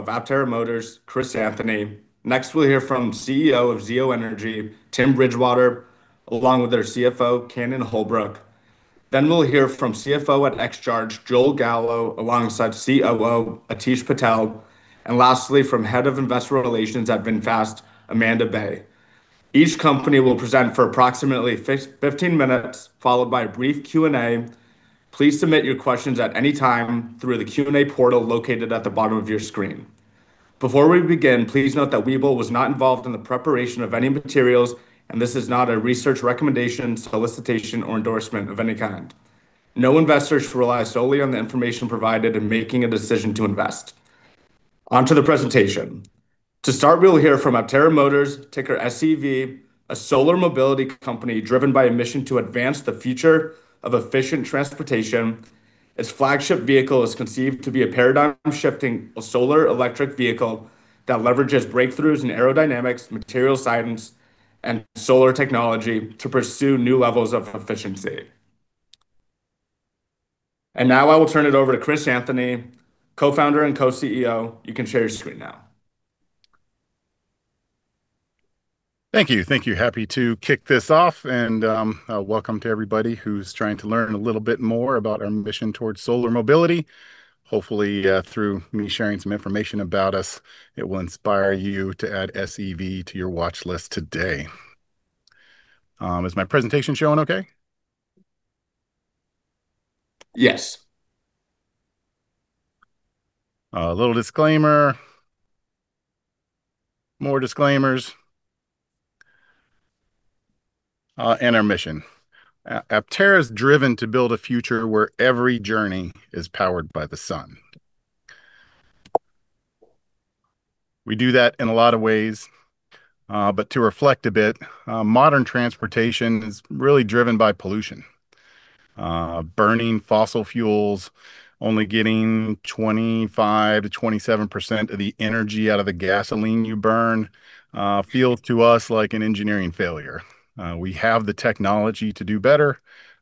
Of Aptera Motors. Next, we'll hear from CEO of Zeo Energy, Tim Bridgewater, along with their CFO, Cannon Holbrook. Then we'll hear from CFO at XCharge, Joel Gallo, alongside COO, Aatish Patel. Lastly, from Head of Investor Relations at VinFast, Amanda Bai. Each company will present for approximately 15 minutes, followed by a brief Q&A. Please submit your questions at any time through the Q&A portal located at the bottom of your screen. Before we begin, please note that Webull was not involved in the preparation of any materials, and this is not a research recommendation, solicitation, or endorsement of any kind. No investors should rely solely on the information provided in making a decision to invest. On to the presentation. To start, we'll hear from Aptera Motors, ticker SEV, a solar mobility company driven by a mission to advance the future of efficient transportation. Its flagship vehicle is conceived to be a paradigm-shifting solar electric vehicle that leverages breakthroughs in aerodynamics, material science, and solar technology to pursue new levels of efficiency. Now I will turn it over to Chris Anthony, Co-founder and Co-CEO. You can share your screen now. Thank you. Happy to kick this off, and welcome to everybody who's trying to learn a little bit more about our mission towards solar mobility. Hopefully, through me sharing some information about us, it will inspire you to add SEV to your watchlist today. Is my presentation showing okay? Yes. A little disclaimer, more disclaimers, and our mission. Aptera is driven to build a future where every journey is powered by the sun. We do that in a lot of ways, but to reflect a bit, modern transportation is really driven by pollution. Burning fossil fuels, only getting 25%-27% of the energy out of the gasoline you burn, feels to us like an engineering failure. We have the technology to do better,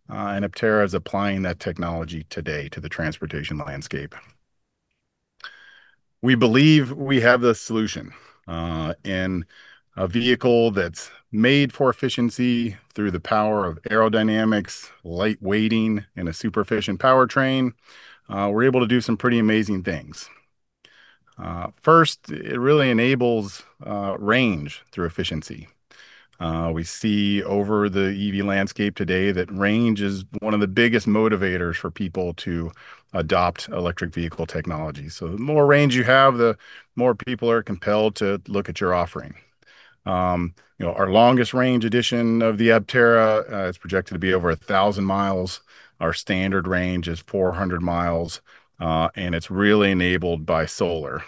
and Aptera is applying that technology today to the transportation landscape. We believe we have the solution. In a vehicle that's made for efficiency through the power of aerodynamics, light-weighting, and a super-efficient powertrain, we're able to do some pretty amazing things. First, it really enables range through efficiency. We see over the EV landscape today that range is one of the biggest motivators for people to adopt electric vehicle technology. The more range you have, the more people are compelled to look at your offering. Our longest range edition of the Aptera is projected to be over 1,000 miles. Our standard range is 400 miles, and it's really enabled by solar.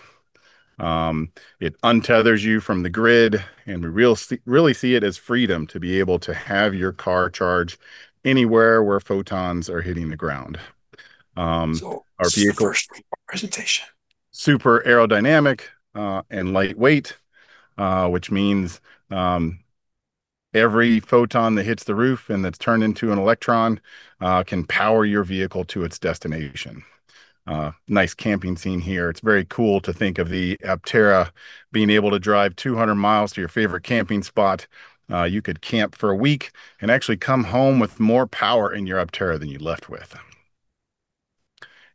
It untethers you from the grid, and we really see it as freedom to be able to have your car charge anywhere where photons are hitting the ground. This is the first of our presentation. Super aerodynamic and lightweight, which means every photon that hits the roof and that's turned into an electron can power your vehicle to its destination. Nice camping scene here. It's very cool to think of the Aptera being able to drive 200 miles to your favorite camping spot. You could camp for a week and actually come home with more power in your Aptera than you left with.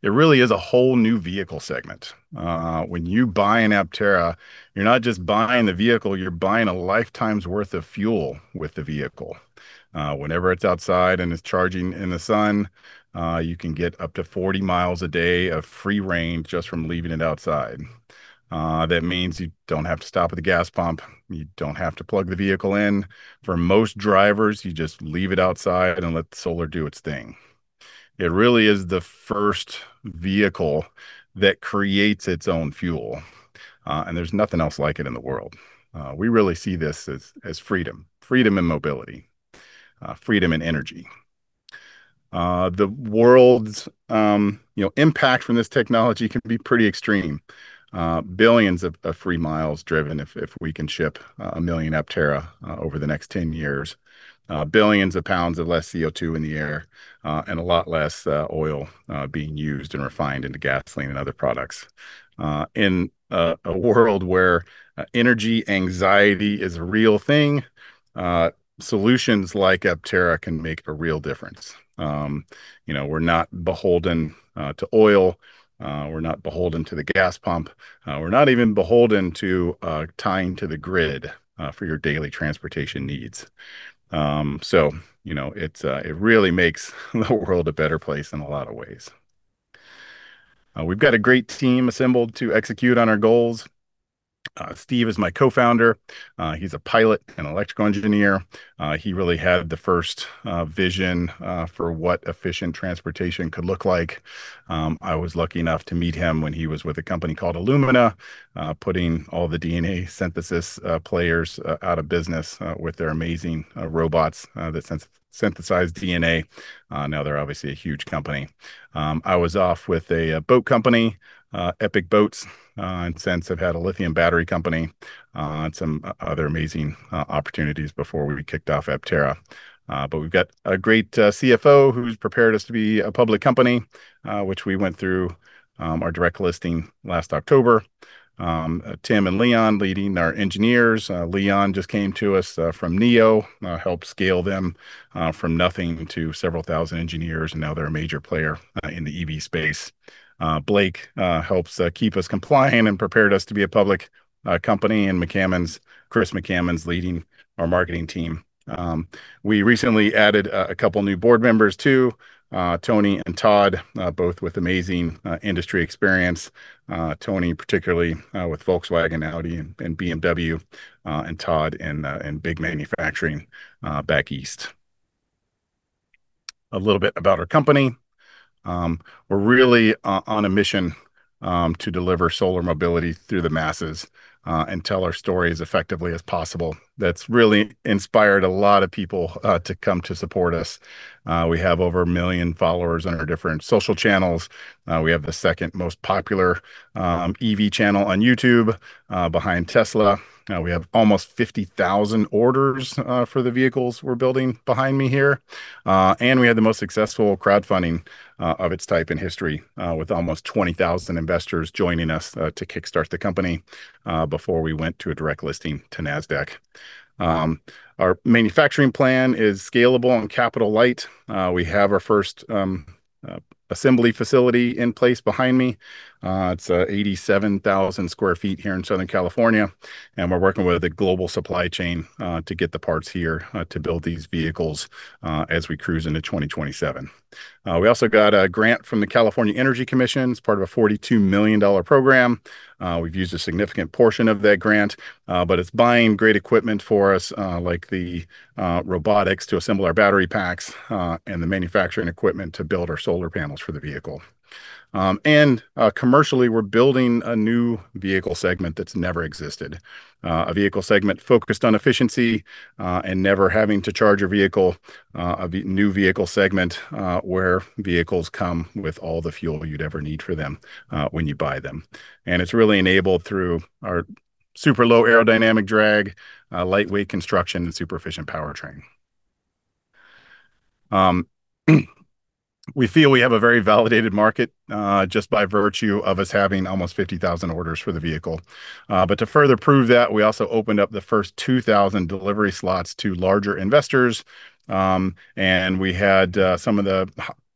It really is a whole new vehicle segment. When you buy an Aptera, you're not just buying the vehicle, you're buying a lifetime's worth of fuel with the vehicle. Whenever it's outside and it's charging in the sun, you can get up to 40 miles a day of free range just from leaving it outside. That means you don't have to stop at the gas pump. You don't have to plug the vehicle in. For most drivers, you just leave it outside and let solar do its thing. It really is the first vehicle that creates its own fuel, and there's nothing else like it in the world. We really see this as freedom. Freedom and mobility. Freedom and energy. The world's impact from this technology can be pretty extreme. Billions of free miles driven, if we can ship 1 million Aptera over the next 10 years. Billions of pounds of less CO2 in the air, and a lot less oil being used and refined into gasoline and other products. In a world where energy anxiety is a real thing, solutions like Aptera can make a real difference. We're not beholden to oil. We're not beholden to the gas pump. We're not even beholden to tying to the grid for your daily transportation needs. It really makes the world a better place in a lot of ways. We've got a great team assembled to execute on our goals. Steve is my co-founder. He's a pilot and electrical engineer. He really had the first vision for what efficient transportation could look like. I was lucky enough to meet him when he was with a company called Illumina, putting all the DNA synthesis players out of business with their amazing robots that synthesized DNA. Now they're obviously a huge company. I was off with a boat company, Epic Boats. Since, I've had a lithium battery company, and some other amazing opportunities before we kicked off Aptera. We've got a great CFO who's prepared us to be a public company, which we went through our direct listing last October. Tim and Leon leading our engineers. Leon just came to us from NIO, helped scale them from nothing to several thousand engineers, and now they're a major player in the EV space. Blake helps keep us compliant and prepared us to be a public company. Chris McCammon's leading our marketing team. We recently added a couple new board members, too, Tony and Todd, both with amazing industry experience. Tony, particularly, with Volkswagen, Audi, and BMW, and Todd in big manufacturing back east. A little bit about our company. We're really on a mission to deliver solar mobility through the masses and tell our story as effectively as possible. That's really inspired a lot of people to come to support us. We have over 1 million followers on our different social channels. We have the second most popular EV channel on YouTube, behind Tesla. We have almost 50,000 orders for the vehicles we're building behind me here. We had the most successful crowdfunding of its type in history, with almost 20,000 investors joining us to kickstart the company before we went to a direct listing to Nasdaq. Our manufacturing plan is scalable and capital light. We have our first assembly facility in place behind me. It's 87,000 sq ft here in Southern California, and we're working with a global supply chain to get the parts here to build these vehicles as we cruise into 2027. We also got a grant from the California Energy Commission. It's part of a $42 million program. We've used a significant portion of that grant, but it's buying great equipment for us, like the robotics to assemble our battery packs, and the manufacturing equipment to build our solar panels for the vehicle. Commercially, we're building a new vehicle segment that's never existed. A vehicle segment focused on efficiency, and never having to charge a vehicle. A new vehicle segment where vehicles come with all the fuel you'd ever need for them when you buy them. It's really enabled through our super low aerodynamic drag, lightweight construction, and super efficient powertrain. We feel we have a very validated market, just by virtue of us having almost 50,000 orders for the vehicle. To further prove that, we also opened up the first 2,000 delivery slots to larger investors, and we had some of the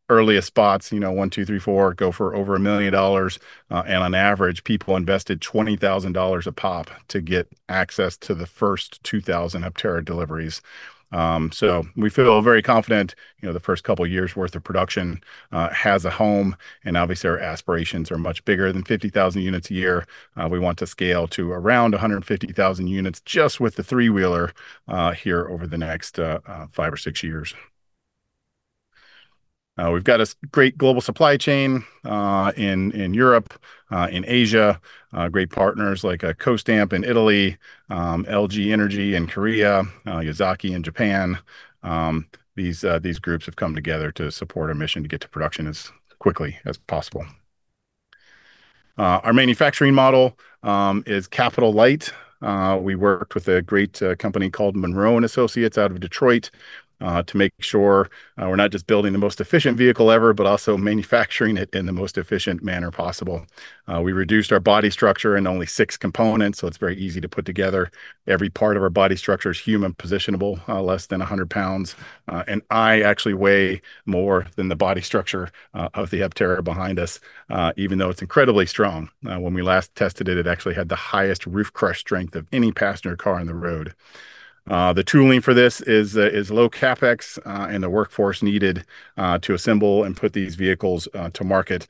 earliest spots, one, two, three, four, go for over $1 million. On average, people invested $20,000 a pop to get access to the first 2,000 Aptera deliveries. We feel very confident the first couple of years' worth of production has a home, and obviously our aspirations are much bigger than 50,000 units a year. We want to scale to around 150,000 units just with the three-wheeler here over the next five or six years. We've got a great global supply chain in Europe, in Asia. Great partners likeCSTAMP in Italy, LG Energy in Korea, Yazaki in Japan. These groups have come together to support our mission to get to production as quickly as possible. Our manufacturing model is capital light. We worked with a great company called Munro & Associates out of Detroit, to make sure we're not just building the most efficient vehicle ever, but also manufacturing it in the most efficient manner possible. We reduced our body structure into only six components, so it's very easy to put together. Every part of our body structure is human positionable, less than 100 pounds. I actually weigh more than the body structure of the Aptera behind us, even though it's incredibly strong. When we last tested it actually had the highest roof crush strength of any passenger car on the road. The tooling for this is low CapEx, and the workforce needed to assemble and put these vehicles to market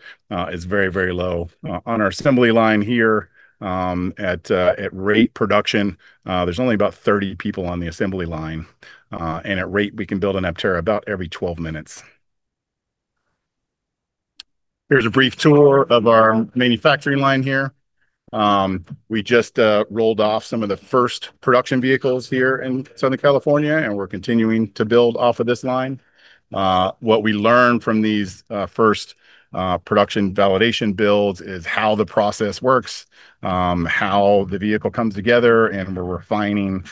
is very low. On our assembly line here, at rate production, there's only about 30 people on the assembly line. At rate, we can build an Aptera about every 12 minutes. Here's a brief tour of our manufacturing line here. We just rolled off some of the first production vehicles here in Southern California, and we're continuing to build off of this line. What we learned from these first production validation builds is how the process works, how the vehicle comes together, and we're refining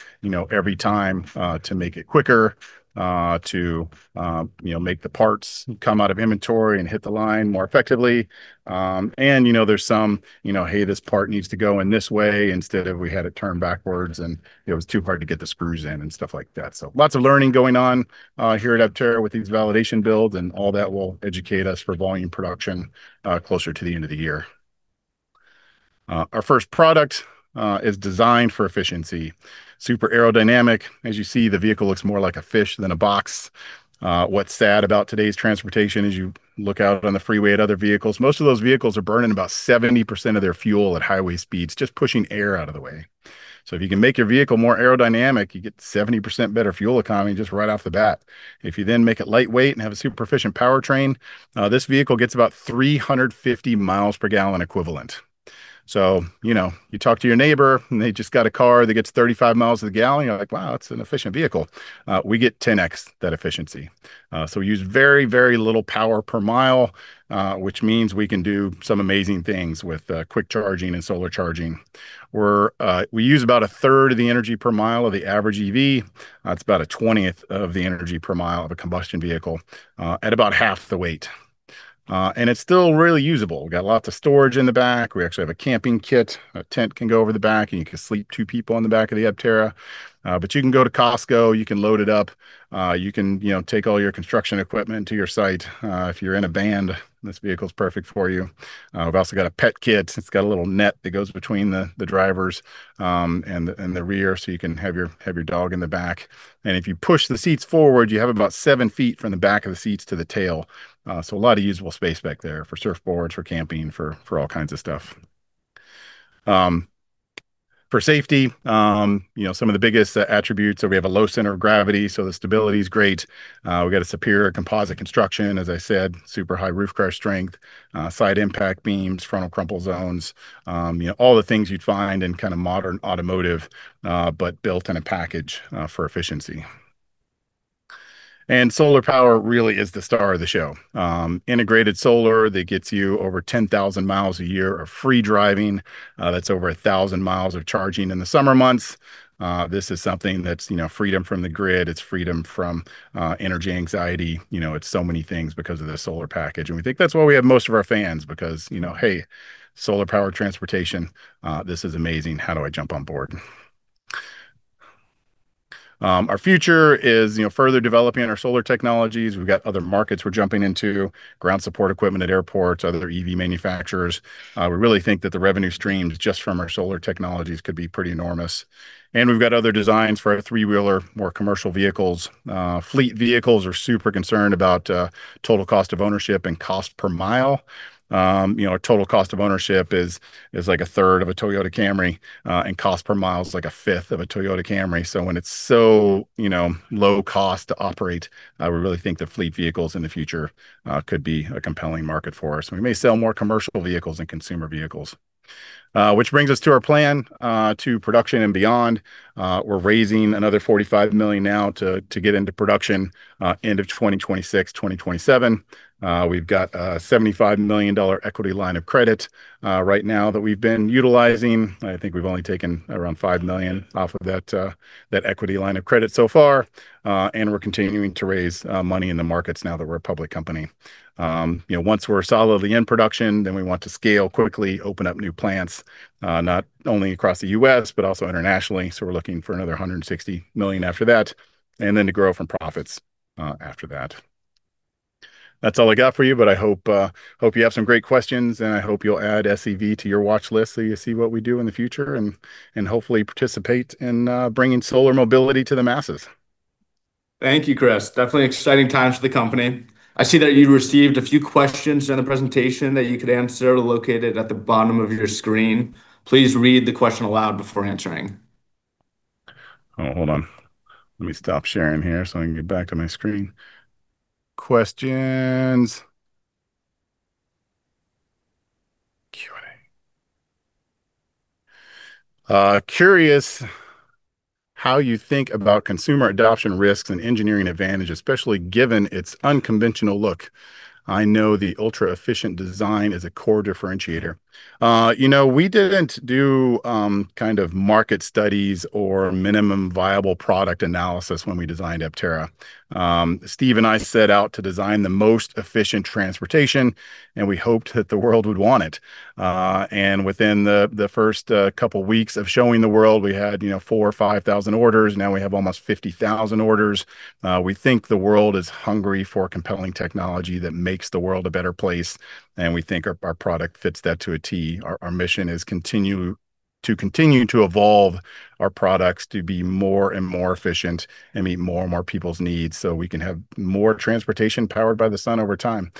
every time to make it quicker, to make the parts come out of inventory and hit the line more effectively. There's some, "Hey, this part needs to go in this way instead of we had it turned backwards and it was too hard to get the screws in," and stuff like that. Lots of learning going on here at Aptera with these validation builds, and all that will educate us for volume production closer to the end of the year. Our first product is designed for efficiency. Super aerodynamic. As you see, the vehicle looks more like a fish than a box. What's sad about today's transportation is you look out on the freeway at other vehicles, most of those vehicles are burning about 70% of their fuel at highway speeds, just pushing air out of the way. If you can make your vehicle more aerodynamic, you get 70% better fuel economy just right off the bat. If you then make it lightweight and have a super efficient powertrain, this vehicle gets about 350 miles per gallon equivalent. You talk to your neighbor and they just got a car that gets 35 miles to the gallon. You're like, "Wow, that's an efficient vehicle." We get 10X that efficiency. We use very, very little power per mile, which means we can do some amazing things with quick charging and solar charging. We use about a third of the energy per mile of the average EV. It's about a 20th of the energy per mile of a combustion vehicle, at about half the weight. It's still really usable. We've got lots of storage in the back. We actually have a camping kit. A tent can go over the back, and you can sleep two people in the back of the Aptera. You can go to Costco, you can load it up. You can take all your construction equipment to your site. If you're in a band, this vehicle's perfect for you. We've also got a pet kit. It's got a little net that goes between the drivers, and the rear so you can have your dog in the back. If you push the seats forward, you have about seven feet from the back of the seats to the tail. A lot of usable space back there for surfboards, for camping, for all kinds of stuff. For safety, some of the biggest attributes are we have a low center of gravity, so the stability's great. We've got a superior composite construction, as I said, super high roof crush strength, side impact beams, frontal crumple zones, all the things you'd find in kind of modern automotive, but built in a package for efficiency. Solar power really is the star of the show. Integrated solar that gets you over 10,000 miles a year of free driving. That's over 1,000 miles of charging in the summer months. This is something that's freedom from the grid, it's freedom from energy anxiety. It's so many things because of the solar package. We think that's why we have most of our fans because, hey, solar power transportation, this is amazing. How do I jump on board? Our future is further developing our solar technologies. We've got other markets we're jumping into, ground support equipment at airports, other EV manufacturers. We really think that the revenue streams just from our solar technologies could be pretty enormous. We've got other designs for a three-wheeler, more commercial vehicles. Fleet vehicles are super concerned about total cost of ownership and cost per mile. Our total cost of ownership is like a third of a Toyota Camry, and cost per mile is like a fifth of a Toyota Camry. When it's so low cost to operate, we really think the fleet vehicles in the future could be a compelling market for us, and we may sell more commercial vehicles than consumer vehicles. Which brings us to our plan, to production and beyond. We're raising another $45 million now to get into production, end of 2026, 2027. We've got a $75 million equity line of credit right now that we've been utilizing. I think we've only taken around $5 million off of that equity line of credit so far. We're continuing to raise money in the markets now that we're a public company. Once we're solidly in production, then we want to scale quickly, open up new plants, not only across the U.S., but also internationally. We're looking for another $160 million after that, and then to grow from profits, after that. That's all I got for you, but I hope you have some great questions, and I hope you'll add SEV to your watchlist so you see what we do in the future and hopefully participate in bringing solar mobility to the masses. Thank you, Chris. Definitely exciting times for the company. I see that you received a few questions during the presentation that you could answer located at the bottom of your screen. Please read the question aloud before answering. Hold on. Let me stop sharing here so I can get back to my screen. Questions. Q&A. Curious how you think about consumer adoption risks and engineering advantage, especially given its unconventional look. I know the ultra-efficient design is a core differentiator. We didn't do market studies or minimum viable product analysis when we designed Aptera. Steve and I set out to design the most efficient transportation, and we hoped that the world would want it. Within the first couple of weeks of showing the world, we had 4,000 or 5,000 orders. Now we have almost 50,000 orders. We think the world is hungry for compelling technology that makes the world a better place, and we think our product fits that to a T. Our mission is to continue to evolve our products to be more and more efficient and meet more and more people's needs so we can have more transportation powered by the sun over time.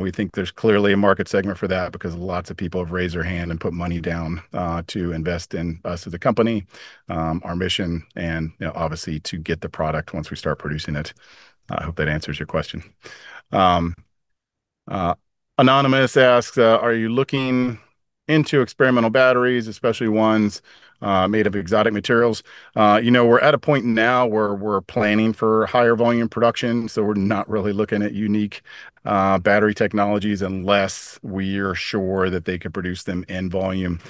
We think there's clearly a market segment for that because lots of people have raised their hand and put money down to invest in us as a company, our mission, and obviously to get the product once we start producing it. I hope that answers your question. Anonymous asks, "Are you looking into experimental batteries, especially ones made of exotic materials?" We're at a point now where we're planning for higher volume production, so we're not really looking at unique battery technologies unless we are sure that they could produce them in volume.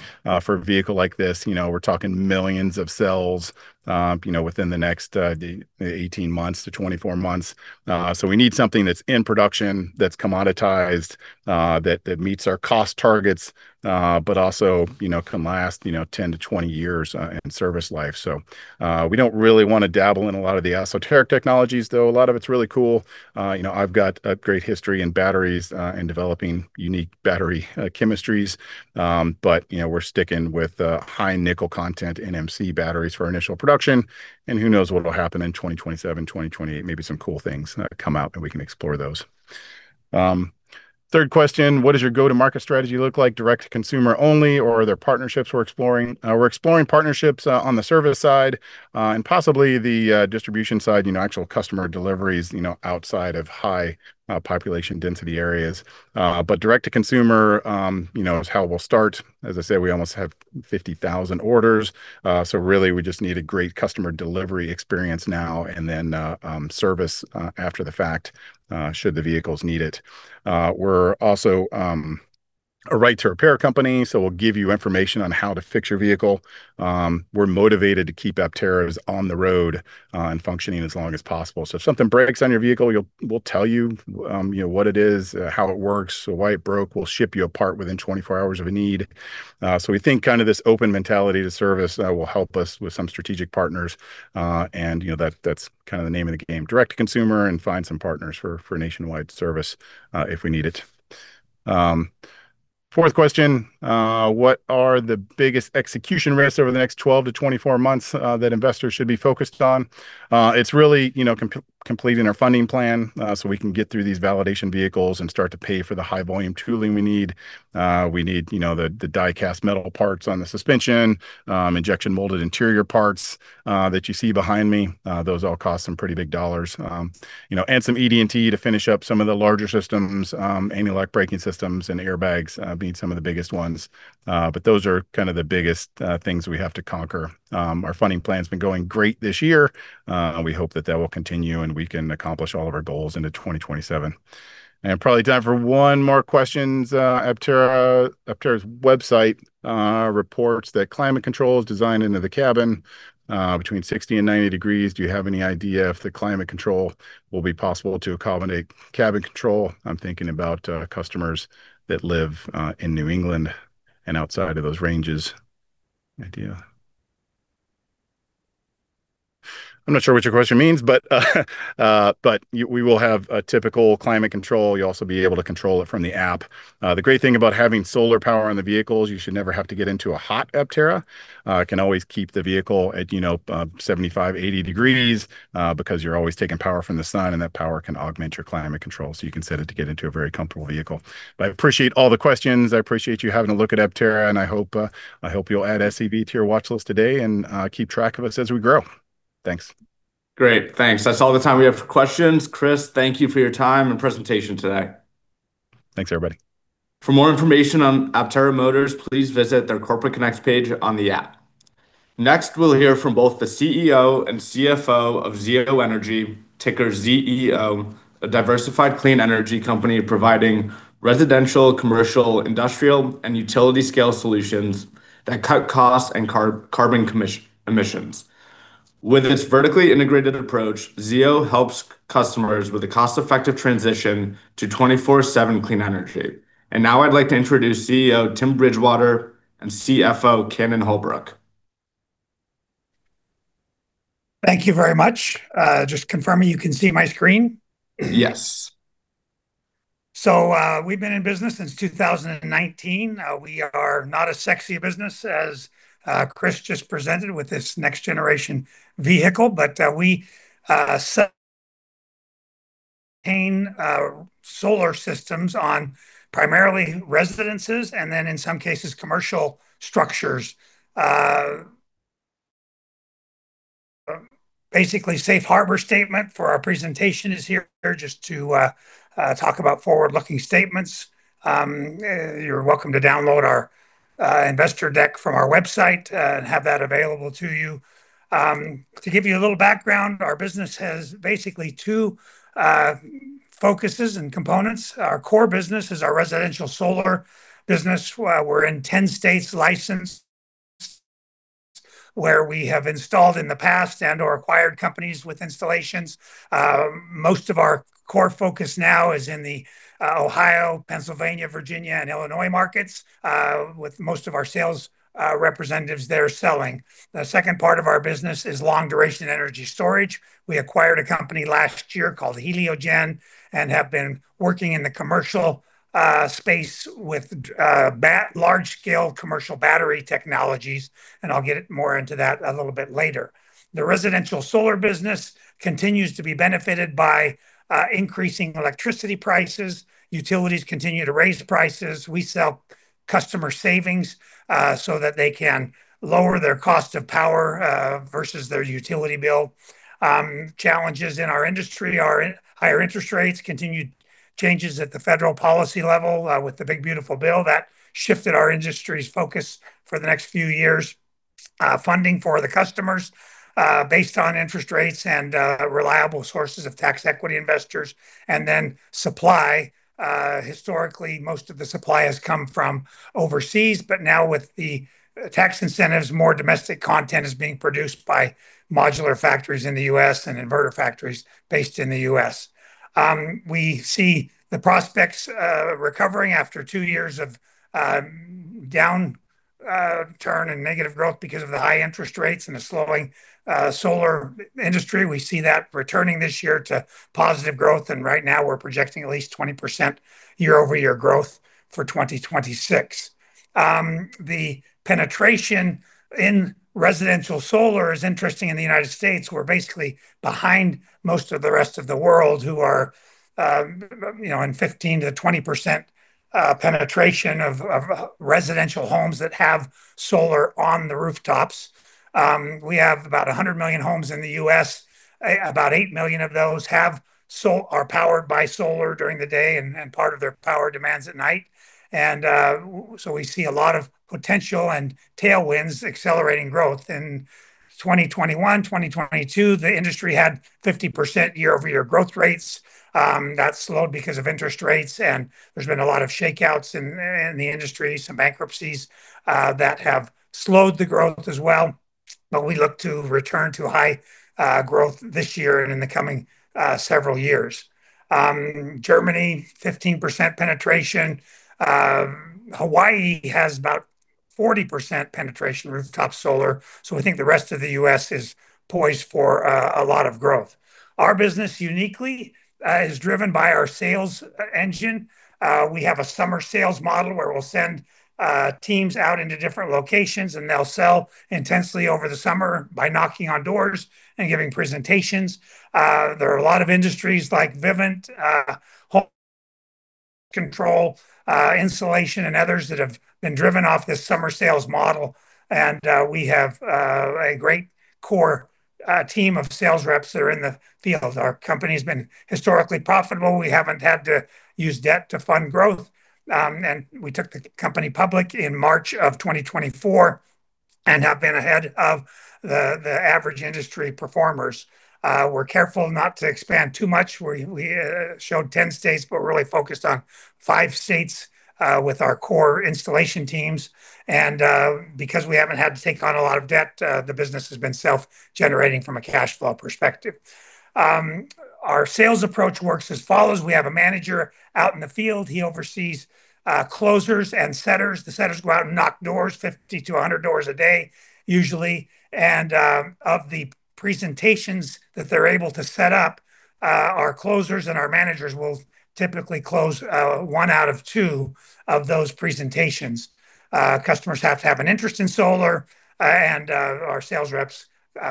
For a vehicle like this, we're talking millions of cells within the next 18-24 months. We need something that's in production, that's commoditized, that meets our cost targets, but also can last 10-20 years in service life. We don't really want to dabble in a lot of the esoteric technologies, though a lot of it's really cool. I've got a great history in batteries, in developing unique battery chemistries. We're sticking with high nickel content NMC batteries for initial production. Who knows what'll happen in 2027, 2028? Maybe some cool things come out and we can explore those. Third question, "What does your go-to-market strategy look like? Direct to consumer only, or are there partnerships we're exploring?" We're exploring partnerships on the service side, and possibly the distribution side, actual customer deliveries outside of high population density areas. Direct to consumer is how we'll start. As I said, we almost have 50,000 orders. Really, we just need a great customer delivery experience now and then service after the fact, should the vehicles need it. We're also a right to repair company, so we'll give you information on how to fix your vehicle. We're motivated to keep Aptera vehicles on the road and functioning as long as possible. If something breaks on your vehicle, we'll tell you what it is, how it works, why it broke. We'll ship you a part within 24 hours if you need. We think this open mentality to service will help us with some strategic partners. That's the name of the game, direct to consumer and find some partners for nationwide service if we need it. Fourth question, "What are the biggest execution risks over the next 12-24 months that investors should be focused on?" It's really completing our funding plan, so we can get through these validation vehicles and start to pay for the high volume tooling we need. We need the die-cast metal parts on the suspension, injection molded interior parts that you see behind me. Those all cost some pretty big dollars. Some ED&T to finish up some of the larger systems, anti-lock braking systems and airbags being some of the biggest ones. Those are the biggest things we have to conquer. Our funding plan's been going great this year. We hope that will continue, and we can accomplish all of our goals into 2027. Probably time for one more question. "Aptera's website reports that climate control is designed into the cabin between 60-90 degrees. Do you have any idea if the climate control will be possible to accommodate cabin control? I'm thinking about customers that live in New England and outside of those ranges. Any idea? I'm not sure what your question means, but we will have a typical climate control. You'll also be able to control it from the app. The great thing about having solar power in the vehicle is you should never have to get into a hot Aptera. Can always keep the vehicle at 75-80 degrees, because you're always taking power from the sun, and that power can augment your climate control, so you can set it to get into a very comfortable vehicle. But I appreciate all the questions. I appreciate you having a look at Aptera, and I hope you'll add SEV to your watchlist today and keep track of us as we grow. Thanks. Great. Thanks. That's all the time we have for questions. Chris, thank you for your time and presentation today. Thanks, everybody. For more information on Aptera Motors, please visit their Corporate Connects page on the app. Next, we'll hear from both the CEO and CFO of Zeo Energy, ticker ZEO, a diversified clean energy company providing residential, commercial, industrial, and utility scale solutions that cut costs and carbon emissions. With its vertically integrated approach, Zeo Energy helps customers with a cost-effective transition to 24/7 clean energy. Now I'd like to introduce CEO Tim Bridgewater and CFO Cannon Holbrook. Thank you very much. Just confirming you can see my screen. Yes. We've been in business since 2019. We are not a sexy business as Chris just presented with his next generation vehicle, but we sell solar systems on primarily residences and then in some cases, commercial structures. Basically, safe harbor statement for our presentation is here just to talk about forward-looking statements. You're welcome to download our investor deck from our website, and have that available to you. To give you a little background, our business has basically two focuses and components. Our core business is our residential solar business. We're in 10 states licensed where we have installed in the past and/or acquired companies with installations. Most of our core focus now is in the Ohio, Pennsylvania, Virginia, and Illinois markets, with most of our sales representatives there selling. The second part of our business is long-duration energy storage. We acquired a company last year called Heliogen, and have been working in the commercial space with large scale commercial battery technologies, and I'll get more into that a little bit later. The residential solar business continues to be benefited by increasing electricity prices. Utilities continue to raise prices. We sell customer savings, so that they can lower their cost of power versus their utility bill. Challenges in our industry are higher interest rates, continued changes at the federal policy level, with the Big, Beautiful Bill that shifted our industry's focus for the next few years. Funding for the customers based on interest rates and reliable sources of tax equity investors. Supply, historically, most of the supply has come from overseas. But now, with the tax incentives, more domestic content is being produced by modular factories in the U.S. and inverter factories based in the U.S. We see the prospects recovering after two years of downturn and negative growth because of the high interest rates and the slowing solar industry. We see that returning this year to positive growth. Right now, we're projecting at least 20% year-over-year growth for 2026. The penetration in residential solar is interesting in the United States. We're basically behind most of the rest of the world, who are in 15%-20% penetration of residential homes that have solar on the rooftops. We have about 100 million homes in the U.S., about 8 million of those are powered by solar during the day and part of their power demands at night. So we see a lot of potential and tailwinds accelerating growth. In 2021, 2022, the industry had 15% year-over-year growth rates. That slowed because of interest rates, and there's been a lot of shakeouts in the industry, some bankruptcies that have slowed the growth as well. We look to return to high growth this year and in the coming several years. Germany, 15% penetration. Hawaii has about 40% penetration rooftop solar. We think the rest of the U.S. is poised for a lot of growth. Our business uniquely is driven by our sales engine. We have a summer sales model where we'll send teams out into different locations, and they'll sell intensely over the summer by knocking on doors and giving presentations. There are a lot of industries, like Vivint Smart Home, insulation, and others that have been driven off this summer sales model, and we have a great core team of sales reps that are in the field. Our company's been historically profitable. We haven't had to use debt to fund growth. We took the company public in March of 2024 and have been ahead of the average industry performers. We're careful not to expand too much. We showed 10 states, but really focused on five states, with our core installation teams. Because we haven't had to take on a lot of debt, the business has been self-generating from a cash flow perspective. Our sales approach works as follows. We have a manager out in the field. He oversees closers and setters. The setters go out and knock doors, 50-100 doors a day usually. Of the presentations that they're able to set up, our closers and our managers will typically close one out of two of those presentations. Customers have to have an interest in solar. Our sales reps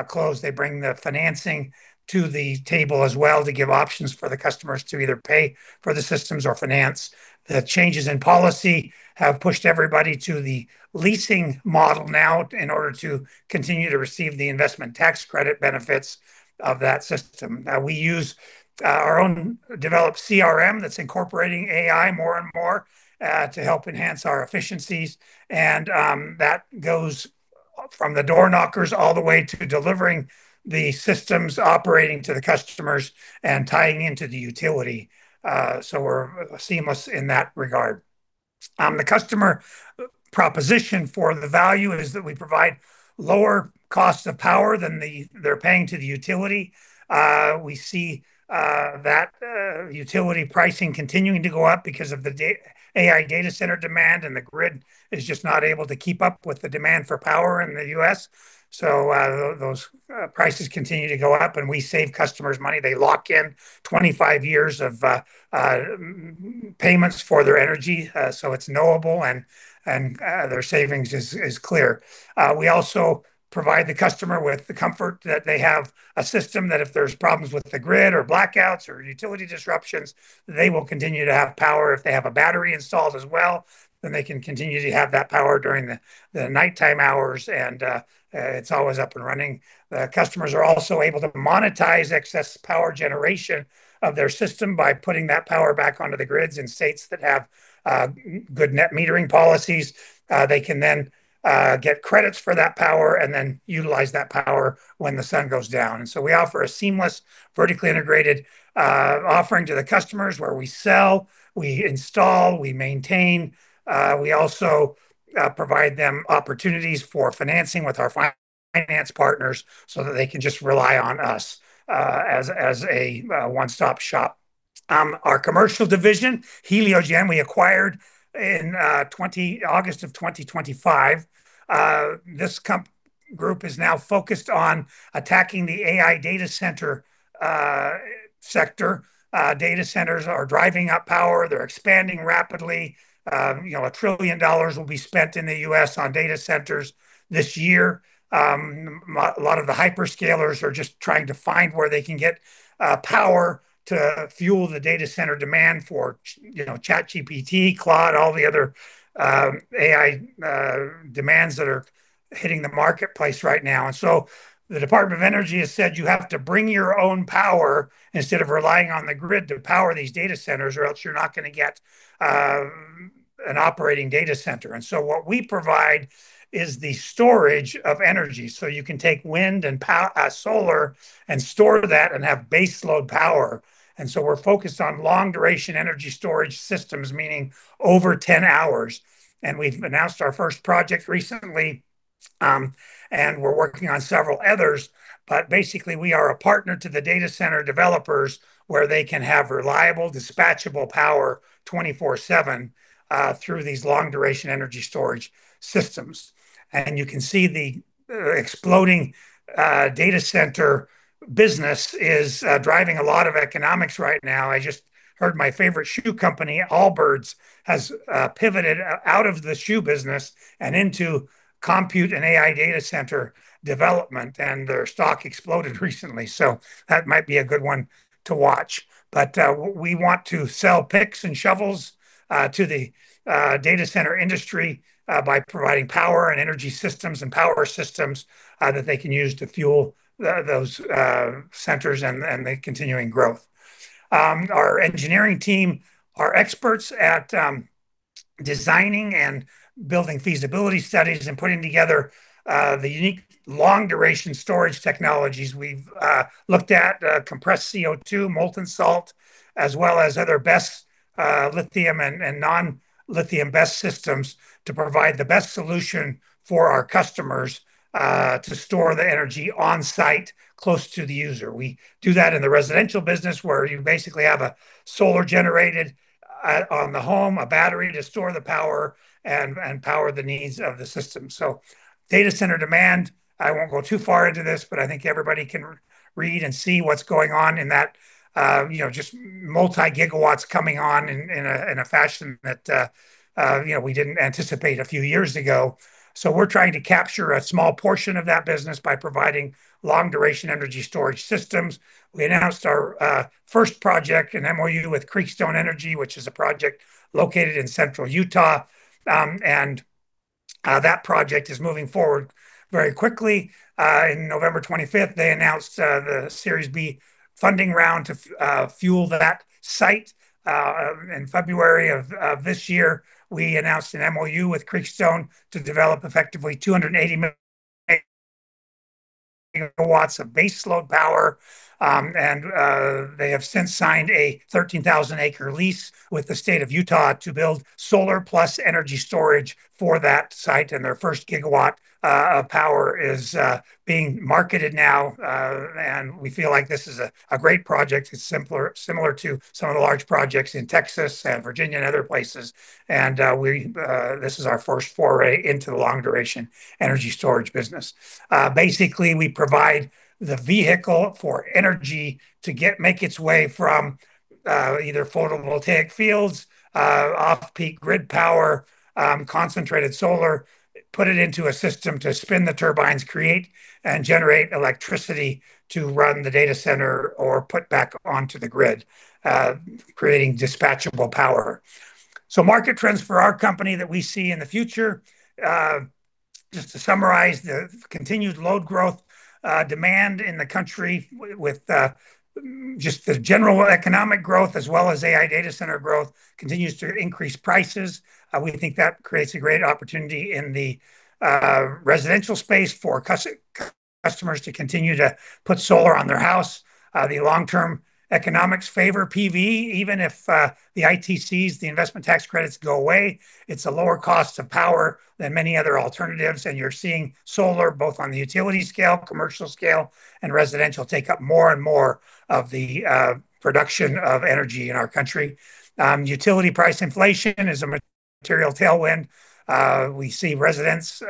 close, they bring the financing to the table as well to give options for the customers to either pay for the systems or finance. The changes in policy have pushed everybody to the leasing model now in order to continue to receive the Investment Tax Credit benefits of that system. We use our own developed CRM that's incorporating AI more and more to help enhance our efficiencies. That goes from the door knockers all the way to delivering the systems, operating to the customers, and tying into the utility. We're seamless in that regard. The customer proposition for the value is that we provide lower costs of power than they're paying to the utility. We see that utility pricing continuing to go up because of the AI data center demand, and the grid is just not able to keep up with the demand for power in the U.S. Those prices continue to go up, and we save customers money. They lock in 25 years of payments for their energy, so it's knowable, and their savings is clear. We also provide the customer with the comfort that they have a system that if there's problems with the grid or blackouts or utility disruptions, they will continue to have power. If they have a battery installed as well, then they can continue to have that power during the nighttime hours, and it's always up and running. Customers are also able to monetize excess power generation of their system by putting that power back onto the grids in states that have good net metering policies. They can then get credits for that power and then utilize that power when the sun goes down. We offer a seamless, vertically integrated offering to the customers where we sell, we install, we maintain. We also provide them opportunities for financing with our finance partners so that they can just rely on us as a one-stop shop. Our commercial division, Heliogen, we acquired in August of 2025. This group is now focused on attacking the AI data center sector. Data centers are driving up power, they're expanding rapidly. $1 trillion will be spent in the U.S. on data centers this year. A lot of the hyperscalers are just trying to find where they can get power to fuel the data center demand for ChatGPT, Claude, all the other AI demands that are hitting the marketplace right now. The Department of Energy has said you have to bring your own power instead of relying on the grid to power these data centers, or else you're not going to get an operating data center. What we provide is the storage of energy, so you can take wind and solar and store that and have base load power. We're focused on long-duration energy storage systems, meaning over 10 hours. We've announced our first project recently, and we're working on several others. Basically we are a partner to the data center developers, where they can have reliable, dispatchable power 24/7 through these long-duration energy storage systems. You can see the exploding data center business is driving a lot of economics right now. I just heard my favorite shoe company, Allbirds, has pivoted out of the shoe business and into compute and AI data center development, and their stock exploded recently. That might be a good one to watch. We want to sell picks and shovels to the data center industry, by providing power and energy systems, and power systems that they can use to fuel those centers and the continuing growth. Our engineering team are experts at designing and building feasibility studies and putting together the unique long-duration storage technologies. We've looked at compressed CO2, molten salt, as well as other BESS, lithium and non-lithium BESS systems to provide the best solution for our customers to store the energy on-site close to the user. We do that in the residential business, where you basically have solar power generated on the home, a battery to store the power and power the needs of the system. Data center demand, I won't go too far into this, but I think everybody can read and see what's going on in that. Just multi-gigawatts coming on in a fashion that we didn't anticipate a few years ago. We're trying to capture a small portion of that business by providing long-duration energy storage systems. We announced our first project, an MOU with Creekstone Energy, which is a project located in central Utah. That project is moving forward very quickly. In November 25th, they announced the Series B funding round to fuel that site. In February of this year, we announced an MOU with Creekstone to develop effectively 280 MW of base load power. They have since signed a 13,000-acre lease with the state of Utah to build solar plus energy storage for that site. Their first gigawatt of power is being marketed now. We feel like this is a great project. It's similar to some of the large projects in Texas and Virginia and other places. This is our first foray into the long-duration energy storage business. Basically, we provide the vehicle for energy to make its way from either photovoltaic fields, off-peak grid power, concentrated solar, put it into a system to spin the turbines, create and generate electricity to run the data center or put back onto the grid, creating dispatchable power. Market trends for our company that we see in the future. Just to summarize, the continued load growth demand in the country with just the general economic growth as well as AI data center growth continues to increase prices. We think that creates a great opportunity in the residential space for customers to continue to put solar on their house. The long-term economics favor PV, even if the ITCs, the investment tax credits go away. It's a lower cost of power than many other alternatives, and you're seeing solar, both on the utility scale, commercial scale, and residential, take up more and more of the production of energy in our country. Utility price inflation is a material tailwind. We see residents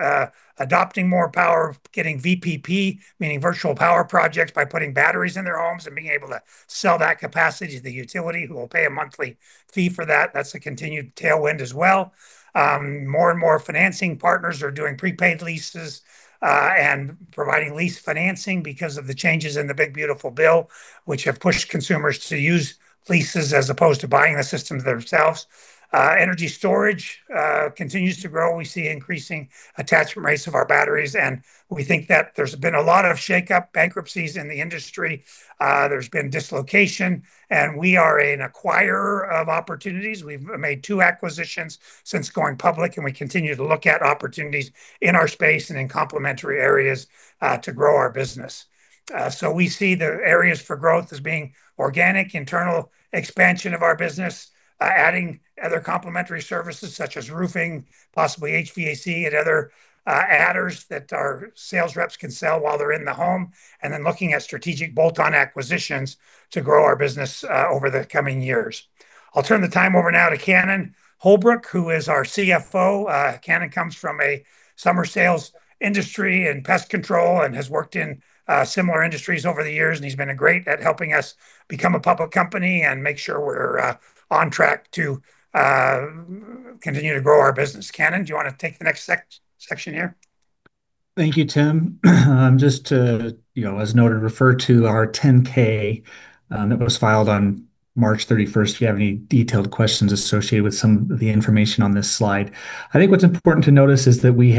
adopting more power, getting VPP, meaning virtual power projects, by putting batteries in their homes and being able to sell that capacity to the utility, who will pay a monthly fee for that. That's a continued tailwind as well. More and more financing partners are doing prepaid leases, and providing lease financing because of the changes in the Big Beautiful Bill, which have pushed consumers to use leases as opposed to buying the systems themselves. Energy storage continues to grow. We see increasing attachment rates of our batteries, and we think that there's been a lot of shakeup bankruptcies in the industry. There's been dislocation, and we are an acquirer of opportunities. We've made two acquisitions since going public, and we continue to look at opportunities in our space and in complementary areas, to grow our business. We see the areas for growth as being organic, internal expansion of our business, adding other complementary services such as roofing, possibly HVAC and other adders that our sales reps can sell while they're in the home. Looking at strategic bolt-on acquisitions to grow our business over the coming years. I'll turn the time over now to Cannon Holbrook, who is our CFO. Cannon comes from a summer sales industry in pest control and has worked in similar industries over the years, and he's been great at helping us become a public company and make sure we're on track to continue to grow our business. Cannon, do you want to take the next section here? Thank you. Tim. Just to, as noted, refer to our 10-K that was filed on March 31st, if you have any detailed questions associated with some of the information on this slide. I think what's important to notice is that we,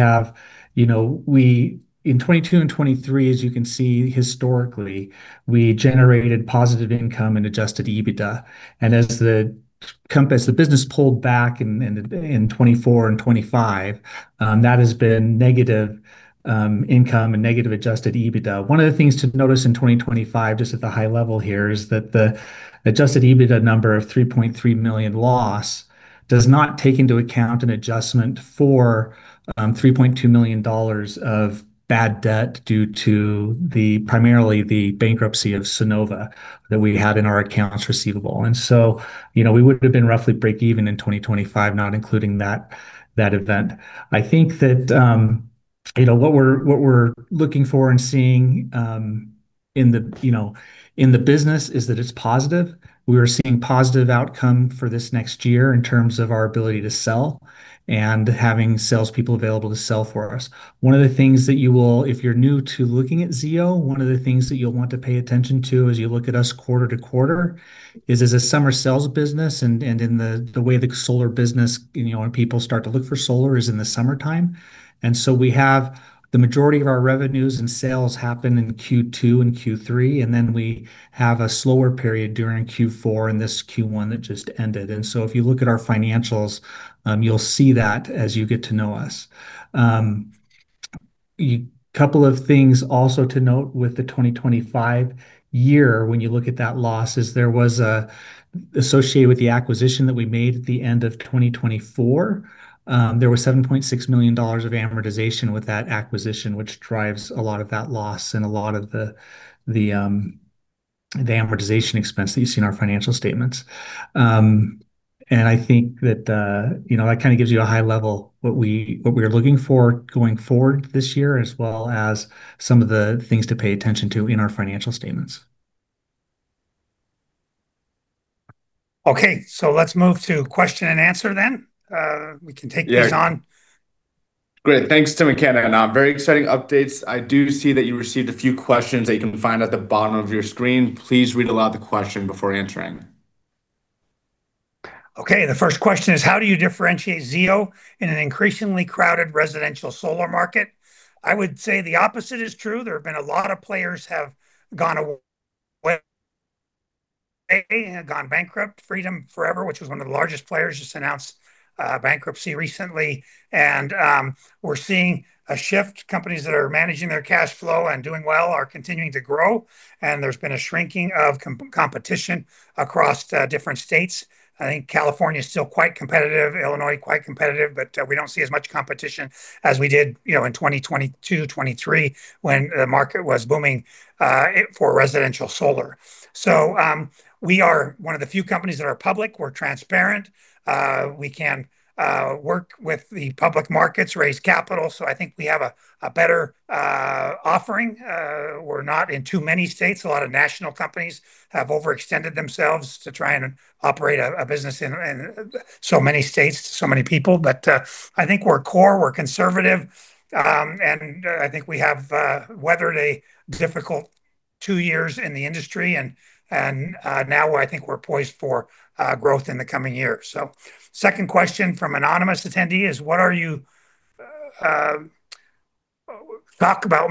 in 2022 and 2023, as you can see, historically, we generated positive income and adjusted EBITDA. As the business pulled back in 2024 and 2025, that has been negative income and negative adjusted EBITDA. One of the things to notice in 2025, just at the high level here, is that the adjusted EBITDA number of $3.3 million loss does not take into account an adjustment for $3.2 million of bad debt due to primarily the bankruptcy of Sunnova that we had in our accounts receivable. We would've been roughly break even in 2025, not including that event. I think that what we're looking for and seeing in the business is that it's positive. We are seeing positive outcome for this next year in terms of our ability to sell and having salespeople available to sell for us. If you're new to looking at Zeo, one of the things that you'll want to pay attention to as you look at us quarter to quarter is as a summer sales business and in the way the solar business, when people start to look for solar, is in the summertime. We have the majority of our revenues and sales happen in Q2 and Q3, and then we have a slower period during Q4 and this Q1 that just ended. If you look at our financials, you'll see that as you get to know us. A couple of things also to note with the 2025 year, when you look at that loss, is that there was, associated with the acquisition that we made at the end of 2024, there was $7.6 million of amortization with that acquisition, which drives a lot of that loss and a lot of the amortization expense that you see in our financial statements. I think that kind of gives you a high level of what we're looking for going forward this year, as well as some of the things to pay attention to in our financial statements. Okay. Let's move to question and answer then. We can take these on. Great. Thanks, Tim and Kennon. Very exciting updates. I do see that you received a few questions that you can find at the bottom of your screen. Please read aloud the question before answering. Okay. The first question is, how do you differentiate Zeo in an increasingly crowded residential solar market? I would say the opposite is true. There have been a lot of players that have gone away or gone bankrupt. Freedom Forever, which was one of the largest players, just announced bankruptcy recently. We're seeing a shift. Companies that are managing their cash flow and doing well are continuing to grow, and there's been a shrinking of competition across different states. I think California is still quite competitive, Illinois quite competitive, but we don't see as much competition as we did in 2022, 2023 when the market was booming for residential solar. We are one of the few companies that are public. We're transparent. We can work with the public markets, raise capital. I think we have a better offering. We're not in too many states. A lot of national companies have overextended themselves to try and operate a business in so many states, so many people. I think we're core, we're conservative, and I think we have weathered a difficult two years in the industry and now I think we're poised for growth in the coming years. Second question from anonymous attendee is, what are your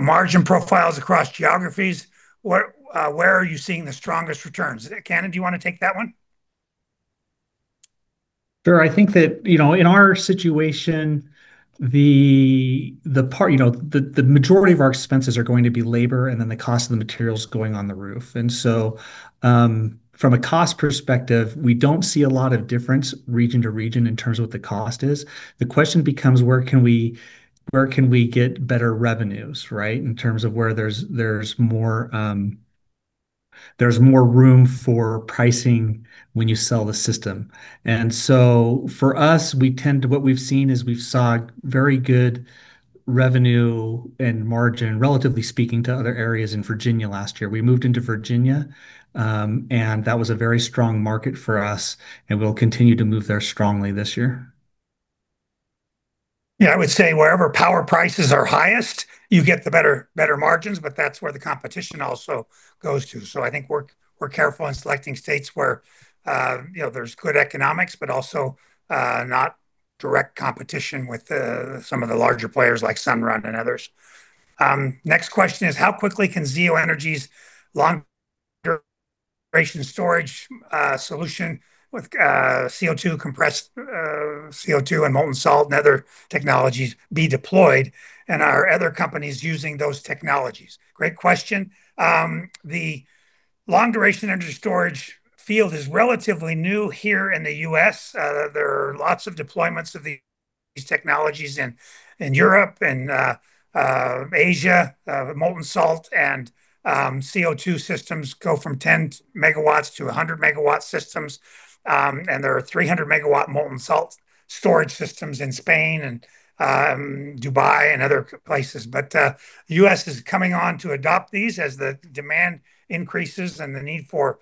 margin profiles across geographies. Where are you seeing the strongest returns? Kennon, do you want to take that one? Sure. I think that, in our situation, the majority of our expenses are going to be labor and then the cost of the materials going on the roof. From a cost perspective, we don't see a lot of difference region to region in terms of what the cost is. The question becomes, where can we get better revenues, right? In terms of where there's more room for pricing when you sell the system. For us, what we've seen is we've saw very good revenue and margin, relatively speaking, to other areas in Virginia last year. We moved into Virginia, and that was a very strong market for us, and we'll continue to move there strongly this year. Yeah, I would say wherever power prices are highest, you get the better margins, but that's where the competition also goes to. I think we're careful in selecting states where there's good economics, but also not direct competition with some of the larger players like Sunrun and others. Next question is, how quickly can Zeo Energy's long-duration storage solution with compressed CO2 and molten salt and other technologies be deployed? Are other companies using those technologies? Great question. The long-duration energy storage field is relatively new here in the U.S. There are lots of deployments of these technologies in Europe and Asia. Molten salt and CO2 systems go from 10 MW to 100-MW systems. There are 300-MW molten salt storage systems in Spain and Dubai and other places. The U.S. is coming on to adopt these as the demand increases and the need for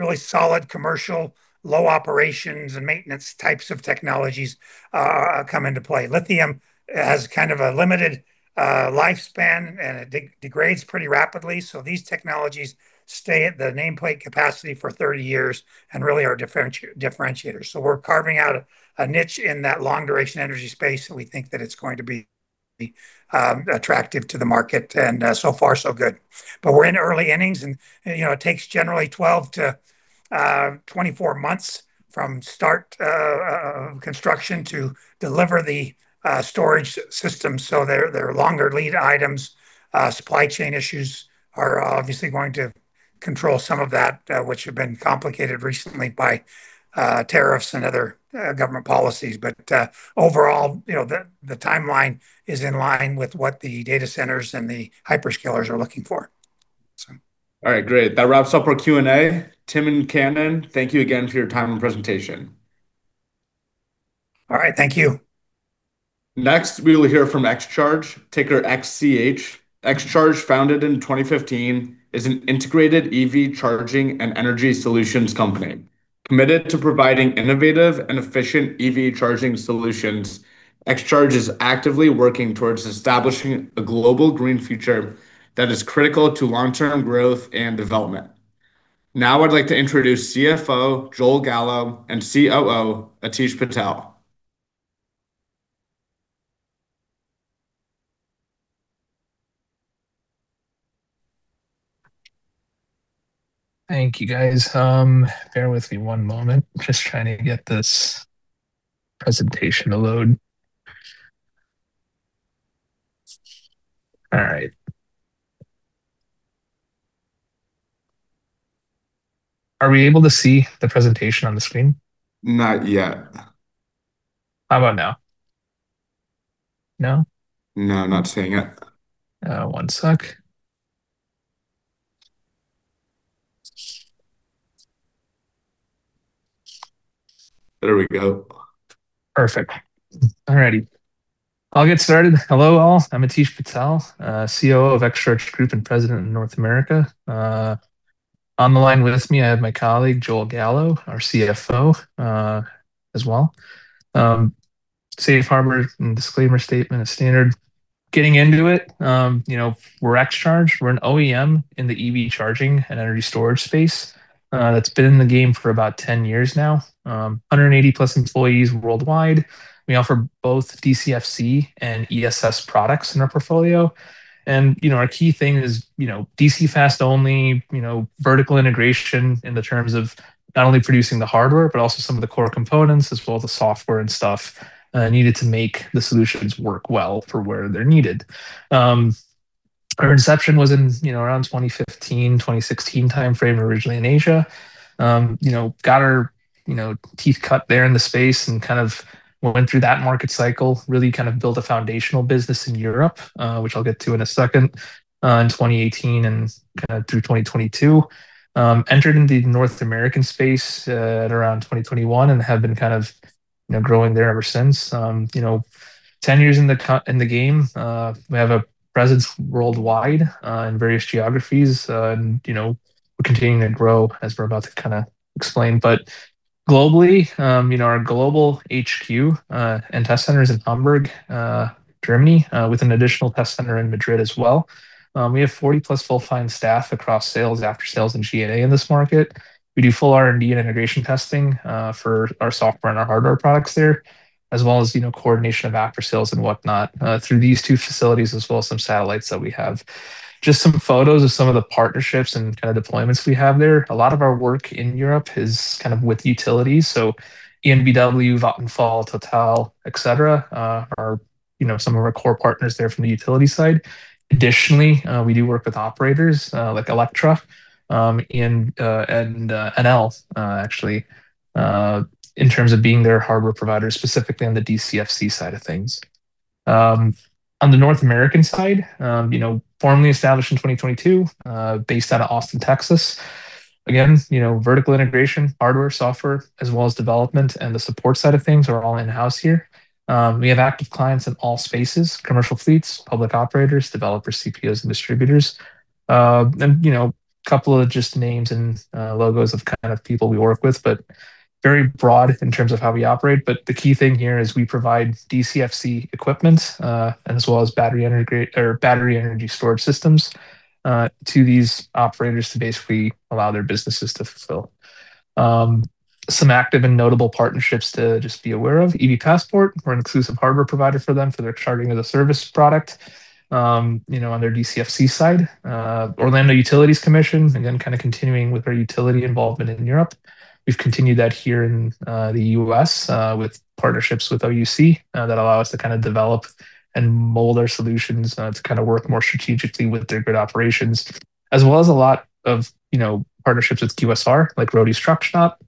really solid commercial, low operations, and maintenance types of technologies come into play. Lithium has a limited lifespan, and it degrades pretty rapidly. These technologies stay at the nameplate capacity for 30 years and really are differentiators. We're carving out a niche in that long-duration energy space, and we think that it's going to be attractive to the market. So far so good. We're in early innings, and it takes generally 12-24 months from start construction to deliver the storage system. They're longer lead items. Supply chain issues are obviously going to control some of that, which have been complicated recently by tariffs and other government policies. Overall, the timeline is in line with what the data centers and the hyperscalers are looking for. All right, great. That wraps up our Q&A. Tim and Cannon, thank you again for your time and presentation. All right. Thank you. Next, we will hear from XCharge, ticker XCH. XCharge, founded in 2015, is an integrated EV charging and energy solutions company. Committed to providing innovative and efficient EV charging solutions, XCharge is actively working towards establishing a global green future that is critical to long-term growth and development. Now I'd like to introduce CFO Joel Gallo and COO Aatish Patel. Thank you, guys. Bear with me one moment. Just trying to get this presentation to load. All right. Are we able to see the presentation on the screen? Not yet. How about now? No? No, I'm not seeing it. One sec. There we go. Perfect. All righty. I'll get started. Hello, all. I'm Aatish Patel, COO of XCharge Group and President of North America. On the line with me, I have my colleague, Joel Gallo, our CFO, as well. Safe harbor and disclaimer statement is standard. Getting into it, we're XCharge. We're an OEM in the EV charging and energy storage space. That's been in the game for about 10 years now. 180+ employees worldwide. We offer both DCFC and ESS products in our portfolio. Our key thing is DC fast only, vertical integration in the terms of not only producing the hardware, but also some of the core components as well as the software and stuff needed to make the solutions work well for where they're needed. Our inception was in around 2015, 2016 timeframe, originally in Asia. Got our teeth cut there in the space and went through that market cycle, really built a foundational business in Europe, which I'll get to in a second, in 2018 and through 2022. Entered in the North American space at around 2021 and have been growing there ever since. 10 years in the game. We have a presence worldwide in various geographies, and we're continuing to grow as we're about to explain. Globally, our global HQ and test center is in Hamburg, Germany, with an additional test center in Madrid as well. We have 40+ full-time staff across sales, after sales, and G&A in this market. We do full R&D and integration testing for our software and our hardware products there, as well as coordination of aftersales and whatnot through these two facilities, as well as some satellites that we have. Just some photos of some of the partnerships and deployments we have there. A lot of our work in Europe is with utilities. EnBW, Vattenfall, Total, et cetera, are some of our core partners there from the utility side. Additionally, we do work with operators, like Electra and Enel, actually, in terms of being their hardware provider, specifically on the DCFC side of things. On the North American side, formally established in 2022, based out of Austin, Texas. Again, vertical integration, hardware, software, as well as development and the support side of things are all in-house here. We have active clients in all spaces, commercial fleets, public operators, developers, CPOs, and distributors. Couple of just names and logos of people we work with, but very broad in terms of how we operate. The key thing here is we provide DCFC equipment, and as well as battery energy storage systems, to these operators to basically allow their businesses to fulfill. Some active and notable partnerships to just be aware of. EVPassport, we're an exclusive hardware provider for them for their charging as a service product on their DCFC side. Orlando Utilities Commission, again, continuing with our utility involvement in Europe. We've continued that here in the U.S. with partnerships with OUC that allow us to develop and mold our solutions to work more strategically with their grid operations. As well as a lot of partnerships with QSR, like Roady's Truck Stops.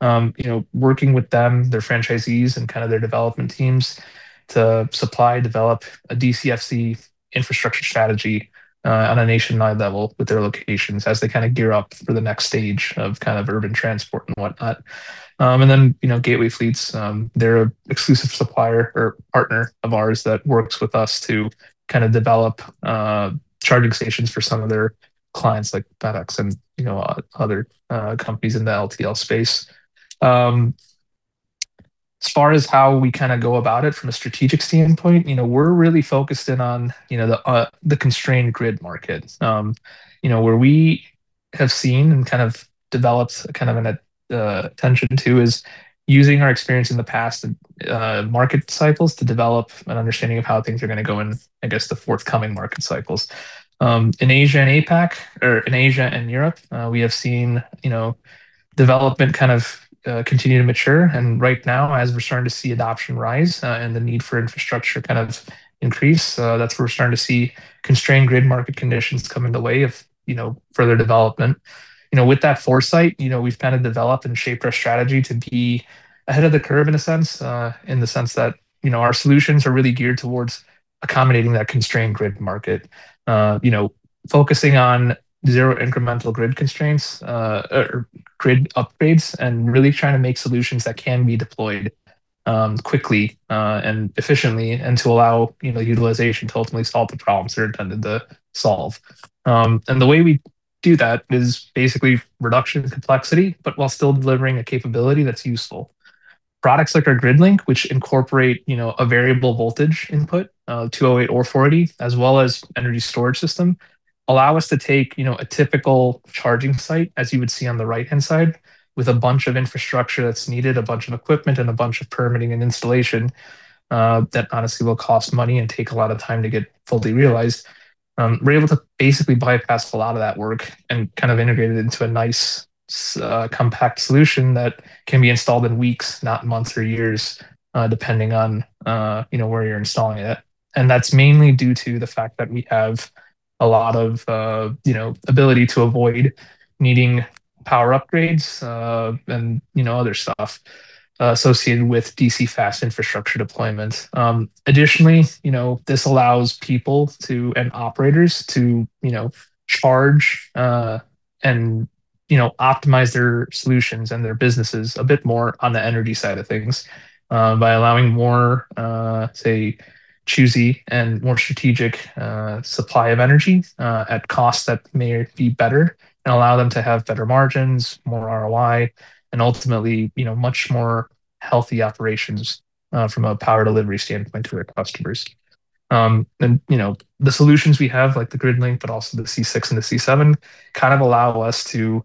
Working with them, their franchisees and their development teams to supply, develop a DCFC infrastructure strategy on a nationwide level with their locations as they gear up for the next stage of urban transport and whatnot. Gateway Fleets, they're an exclusive supplier or partner of ours that works with us to develop charging stations for some of their clients, like FedEx and other companies in the LTL space. As far as how we go about it from a strategic standpoint, we're really focused in on the constrained grid market. Where we have seen and developed an attention to is using our experience in the past market cycles to develop an understanding of how things are going to go in, I guess, the forthcoming market cycles. In Asia and APAC, or in Asia and Europe, we have seen development continue to mature. Right now, as we're starting to see adoption rise and the need for infrastructure increase, that's where we're starting to see constrained grid market conditions come in the way of further development. With that foresight, we've developed and shaped our strategy to be ahead of the curve in a sense, in the sense that our solutions are really geared towards accommodating that constrained grid market. Focusing on zero incremental grid constraints, or grid upgrades, and really trying to make solutions that can be deployed quickly and efficiently, and to allow utilization to ultimately solve the problems they're intended to solve. The way we do that is basically by reducing complexity, but while still delivering a capability that's useful. Products like our GridLink, which incorporate a variable voltage input of 208 or 480, as well as energy storage system, allow us to take a typical charging site, as you would see on the right-hand side, with a bunch of infrastructure that's needed, a bunch of equipment, and a bunch of permitting and installation, that honestly will cost money and take a lot of time to get fully realized. We're able to basically bypass a lot of that work and integrate it into a nice, compact solution that can be installed in weeks, not months or years, depending on where you're installing it. That's mainly due to the fact that we have a lot of ability to avoid needing power upgrades, and other stuff associated with DC fast infrastructure deployment. Additionally, this allows people to, and operators to charge, and optimize their solutions and their businesses a bit more on the energy side of things, by allowing more choosy and more strategic supply of energy at costs that may be better and allow them to have better margins, more ROI, and ultimately, much more healthy operations from a power delivery standpoint to their customers. The solutions we have, like the GridLink, but also the C6 and the C7 allow us to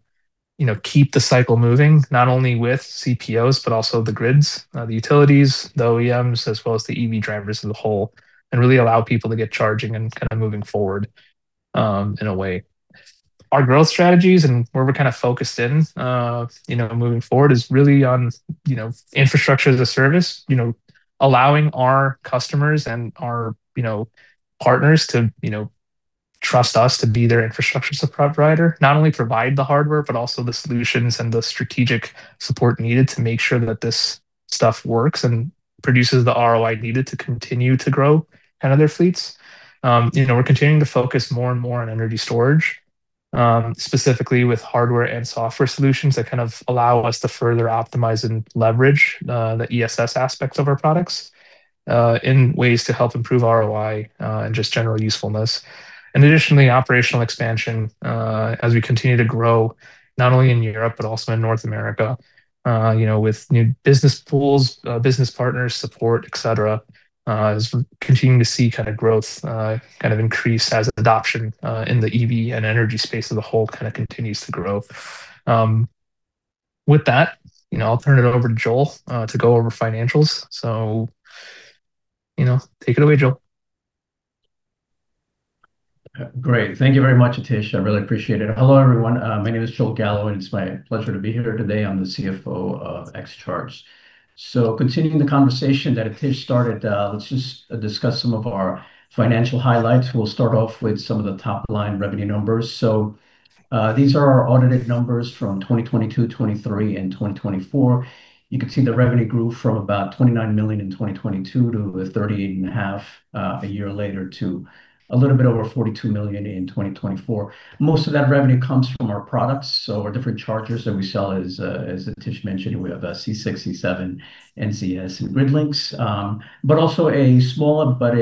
keep the cycle moving, not only with CPOs, but also the grids, the utilities, the OEMs, as well as the EV drivers as a whole, and really allow people to get charging and moving forward in a way. Our growth strategies and where we're focused in moving forward is really on infrastructure as a service. Allowing our customers and our partners to trust us to be their infrastructure support provider. Not only provide the hardware, but also the solutions and the strategic support needed to make sure that this stuff works and produces the ROI needed to continue to grow other fleets. We're continuing to focus more and more on energy storage, specifically with hardware and software solutions that allow us to further optimize and leverage the ESS aspects of our products, in ways to help improve ROI, and just general usefulness. Additionally, operational expansion, as we continue to grow not only in Europe but also in North America. With new business pools, business partners, support, et cetera, as we're continuing to see growth increase as adoption in the EV and energy space as a whole continues to grow. With that, I'll turn it over to Joel, to go over financials. Take it away, Joel. Great. Thank you very much, Atish. I really appreciate it. Hello, everyone. My name is Joel Gallo, and it's my pleasure to be here today. I'm the CFO of XCharge. Continuing the conversation that Atish started, let's just discuss some of our financial highlights. We'll start off with some of the top-line revenue numbers. These are our audited numbers from 2022, 2023, and 2024. You can see the revenue grew from about $29 million in 2022 to $38.5 million a year later to a little bit over $42 million in 2024. Most of that revenue comes from our products. Our different chargers that we sell, as Atish mentioned, we have C6, C7, NZS, and GridLink. Also a small but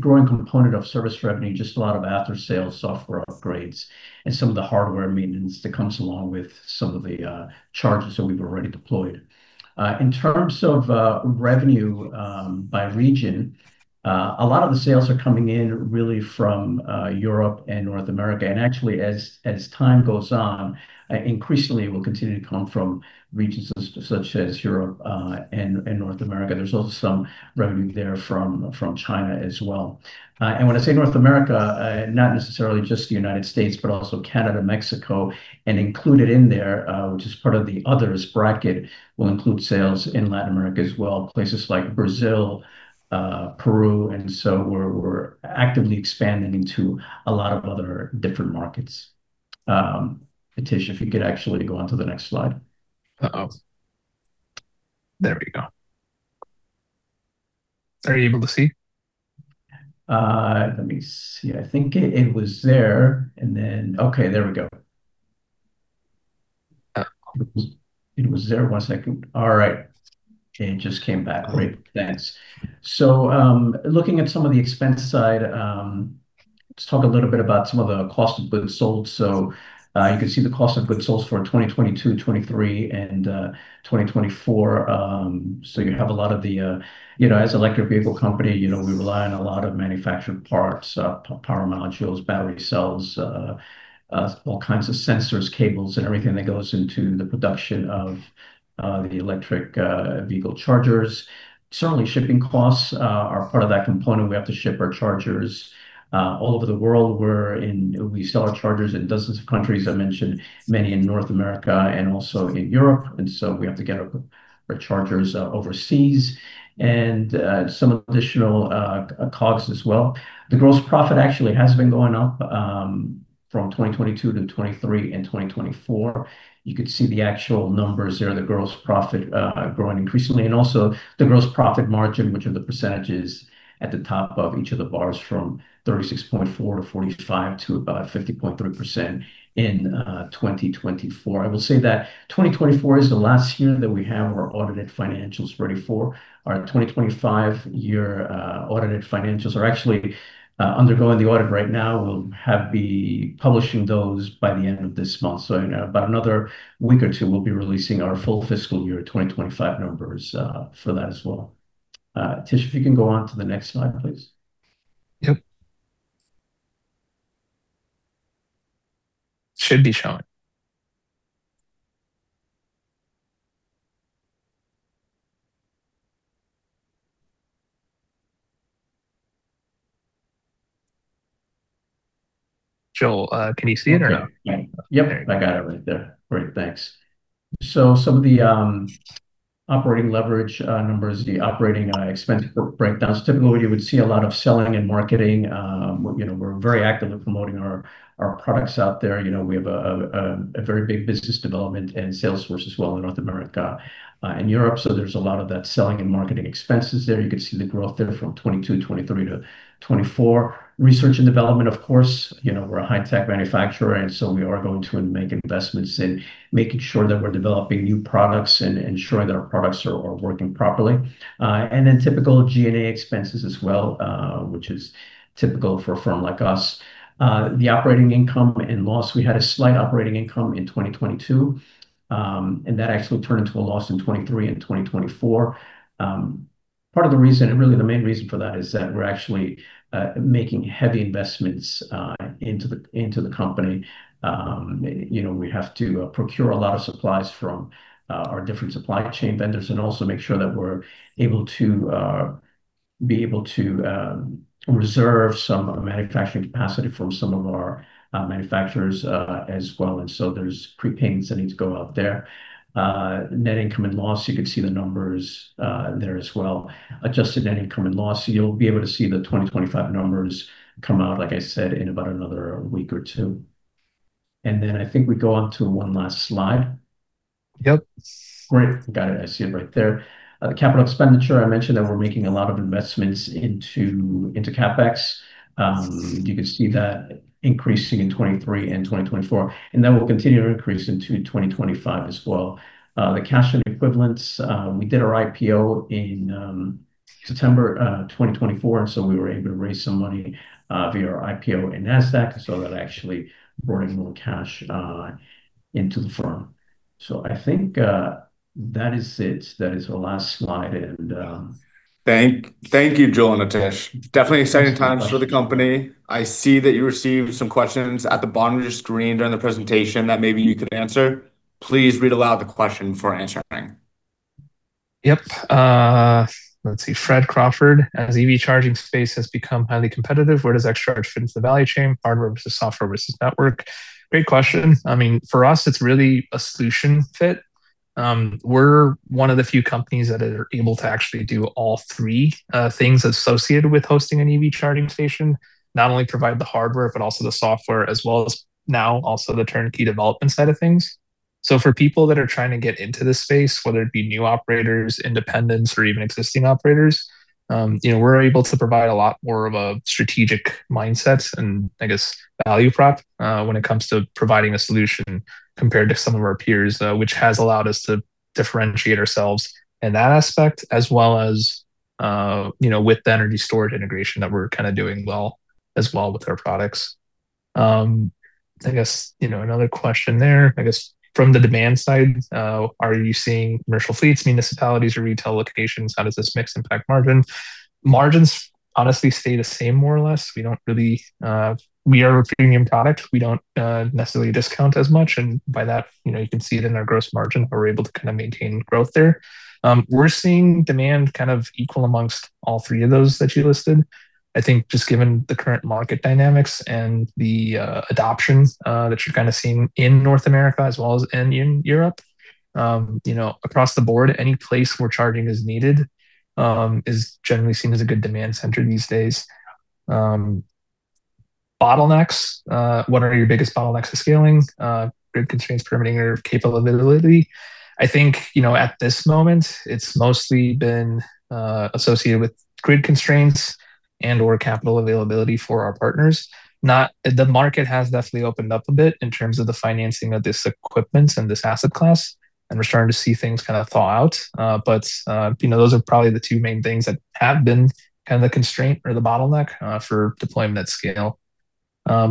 growing component of service revenue, just a lot of after-sale software upgrades and some of the hardware maintenance that comes along with some of the chargers that we've already deployed. In terms of revenue by region, a lot of the sales are coming in really from Europe and North America. Actually, as time goes on, increasingly will continue to come from regions such as Europe and North America. There's also some revenue there from China as well. When I say North America, not necessarily just the United States, but also Canada, Mexico, and included in there, which is part of the others bracket, will include sales in Latin America as well, places like Brazil, Peru, and so we're actively expanding into a lot of other different markets. Aatish, if you could actually go on to the next slide. There we go. Are you able to see? Let me see. I think it was there and then. Okay, there we go. It was there one second. All right. It just came back. Great. Thanks. Looking at some of the expense side, let's talk a little bit about some of the cost of goods sold. You can see the cost of goods sold for 2022, 2023, and 2024. You have a lot of the, as an electric vehicle company, we rely on a lot of manufactured parts, power modules, battery cells, all kinds of sensors, cables, and everything that goes into the production of the electric vehicle chargers. Certainly, shipping costs are part of that component. We have to ship our chargers all over the world. We sell our chargers in dozens of countries. I mentioned many in North America and also in Europe, and so we have to get our chargers overseas and some additional COGS as well. The gross profit actually has been going up from 2022-2023 and 2024. You could see the actual numbers there, the gross profit growing increasingly and also the gross profit margin, which are the percentages at the top of each of the bars from 36.4%-45% to about 50.3% in 2024. I will say that 2024 is the last year that we have our audited financials ready for. Our 2025 year audited financials are actually undergoing the audit right now. We'll be publishing those by the end of this month. In about another week or two, we'll be releasing our full fiscal year 2025 numbers for that as well. Tish, if you can go on to the next slide, please. Yep. Should be showing. Joel, can you see it or no? Yep. I got it right there. Great, thanks. Some of the operating leverage numbers, the operating expense breakdowns. Typically, you would see a lot of selling and marketing. We're very active in promoting our products out there. We have a very big business development and sales force as well in North America and Europe. There's a lot of that selling and marketing expenses there. You can see the growth there from 2022, 2023 to 2024. Research and development, of course, we're a high-tech manufacturer, and so we are going to make investments in making sure that we're developing new products and ensuring that our products are working properly. Then typical G&A expenses as well, which is typical for a firm like us. The operating income and loss. We had a slight operating income in 2022, and that actually turned into a loss in 2023 and 2024. Part of the reason, and really the main reason for that, is that we're actually making heavy investments into the company. We have to procure a lot of supplies from our different supply chain vendors and also make sure that we're able to reserve some manufacturing capacity from some of our manufacturers as well. There's prepayments that need to go out there. Net income and loss, you can see the numbers there as well. Adjusted net income and loss, you'll be able to see the 2025 numbers come out, like I said, in about another week or two. I think we go on to one last slide. Yep. Great. Got it. I see it right there. Capital expenditure, I mentioned that we're making a lot of investments into CapEx. You can see that increasing in 2023 and 2024, and that will continue to increase into 2025 as well. The cash and equivalents. We did our IPO in September 2024, and so we were able to raise some money via our IPO in Nasdaq. I think that is it. That is the last slide. Thank you, Joel and Tish. Definitely exciting times for the company. I see that you received some questions at the bottom of your screen during the presentation that maybe you could answer. Please read aloud the question before answering. Yep. Let's see, Fred Crawford. As EV charging space has become highly competitive, where does XCharge fit into the value chain, hardware versus software versus network? Great question. I mean, for us, it's really a solution fit. We're one of the few companies that are able to actually do all three things associated with hosting an EV charging station. Not only provide the hardware, but also the software, as well as now also the turnkey development side of things. For people that are trying to get into this space, whether it be new operators, independents, or even existing operators, we're able to provide a lot more of a strategic mindset and I guess value prop when it comes to providing a solution compared to some of our peers, which has allowed us to differentiate ourselves in that aspect as well as with the energy storage integration that we're doing well as well with our products. I guess, another question there. I guess from the demand side, are you seeing commercial fleets, municipalities, or retail locations? How does this mix impact margin? Margins honestly stay the same more or less. We are a premium product. We don't necessarily discount as much, and by that, you can see it in our gross margin. We're able to maintain growth there. We're seeing demand equal amongst all three of those that you listed, I think, just given the current market dynamics and the adoption that you're seeing in North America as well as in Europe. Across the board, any place where charging is needed is generally seen as a good demand center these days. Bottlenecks. What are your biggest bottlenecks to scaling? Grid constraints preventing your capability. I think, at this moment, it's mostly been associated with grid constraints and/or capital availability for our partners. The market has definitely opened up a bit in terms of the financing of this equipment and this asset class, and we're starting to see things kind of thaw out. But those are probably the two main things that have been the constraint or the bottleneck for deployment at scale. How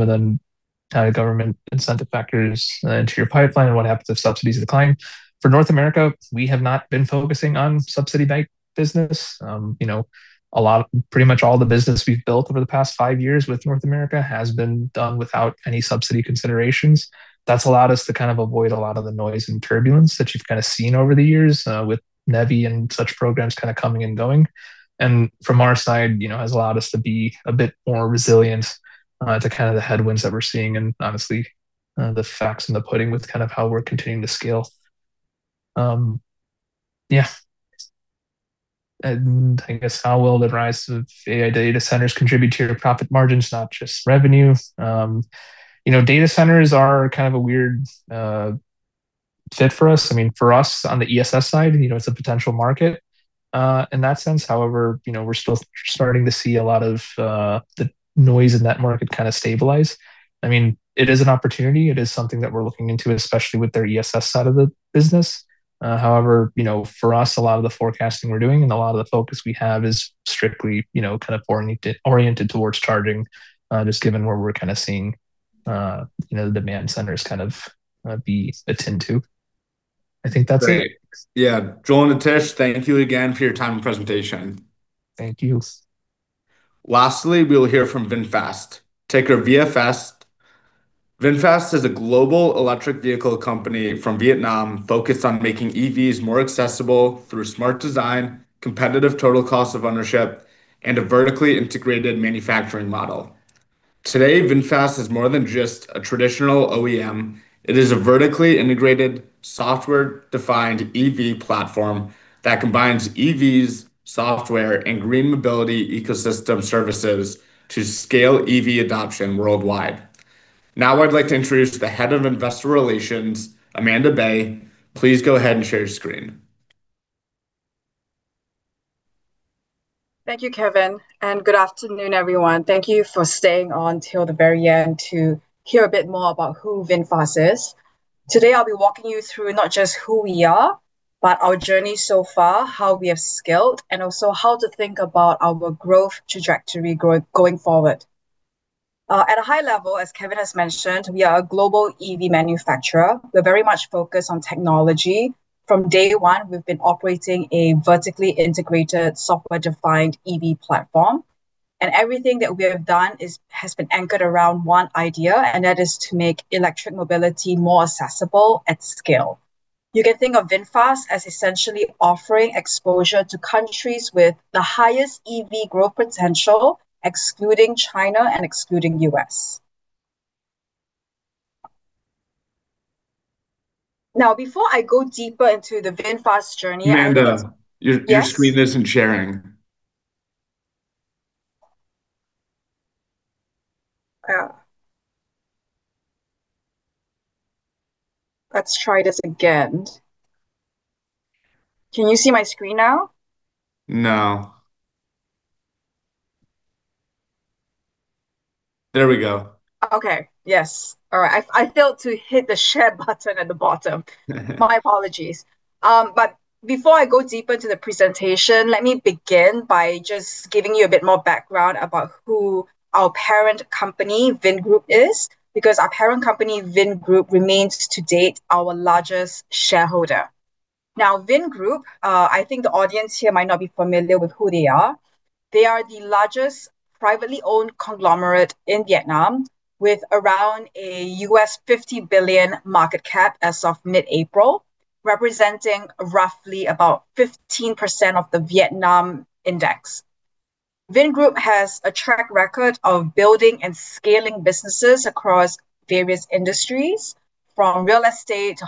do government incentives factor into your pipeline, and what happens if subsidies decline? For North America, we have not been focusing on subsidy-backed business. Pretty much all the business we've built over the past five years with North America has been done without any subsidy considerations. That's allowed us to avoid a lot of the noise and turbulence that you've seen over the years, with NEVI and such programs coming and going. From our side, has allowed us to be a bit more resilient to the headwinds that we're seeing, and honestly, the facts and the pudding with how we're continuing to scale. Yeah. I guess how will the rise of AI data centers contribute to your profit margins, not just revenue? Data centers are kind of a weird fit for us. For us on the ESS side, it's a potential market in that sense. However, we're still starting to see a lot of the noise in that market kind of stabilize. It is an opportunity. It is something that we're looking into, especially with their ESS side of the business. However, for us, a lot of the forecasting we're doing and a lot of the focus we have is strictly oriented towards charging, just given where we're seeing the demand centers be tending to. I think that's it. Great. Yeah. Joel and Atish, thank you again for your time and presentation. Thank you. Lastly, we'll hear from VinFast, ticker VFS. VinFast is a global electric vehicle company from Vietnam focused on making EVs more accessible through smart design, competitive total cost of ownership, and a vertically integrated manufacturing model. Today, VinFast is more than just a traditional OEM. It is a vertically integrated, software-defined EV platform that combines EVs, software, and green mobility ecosystem services to scale EV adoption worldwide. Now I'd like to introduce the Head of Investor Relations, Amandae Baey. Please go ahead and share your screen. Thank you, Kevin, and good afternoon, everyone. Thank you for staying on till the very end to hear a bit more about who VinFast is. Today, I'll be walking you through not just who we are, but our journey so far, how we have scaled, and also how to think about our growth trajectory going forward. At a high level, as Kevin has mentioned, we are a global EV manufacturer. We're very much focused on technology. From day one, we've been operating a vertically integrated, software-defined EV platform. Everything that we have done has been anchored around one idea, and that is to make electric mobility more accessible at scale. You can think of VinFast as essentially offering exposure to countries with the highest EV growth potential, excluding China and excluding U.S. Now, before I go deeper into the VinFast journey- Amandae. Yes. Your screen isn't sharing. Oh. Let's try this again. Can you see my screen now? No. There we go. Okay. Yes. All right. I failed to hit the share button at the bottom. My apologies. Before I go deeper into the presentation, let me begin by just giving you a bit more background about who our parent company, Vingroup, is. Because our parent company, Vingroup, remains to date our largest shareholder. Now, Vingroup, I think the audience here might not be familiar with who they are. They are the largest privately owned conglomerate in Vietnam, with around a $50 billion market cap as of mid-April, representing roughly about 15% of the Vietnam index. Vingroup has a track record of building and scaling businesses across various industries, from real estate to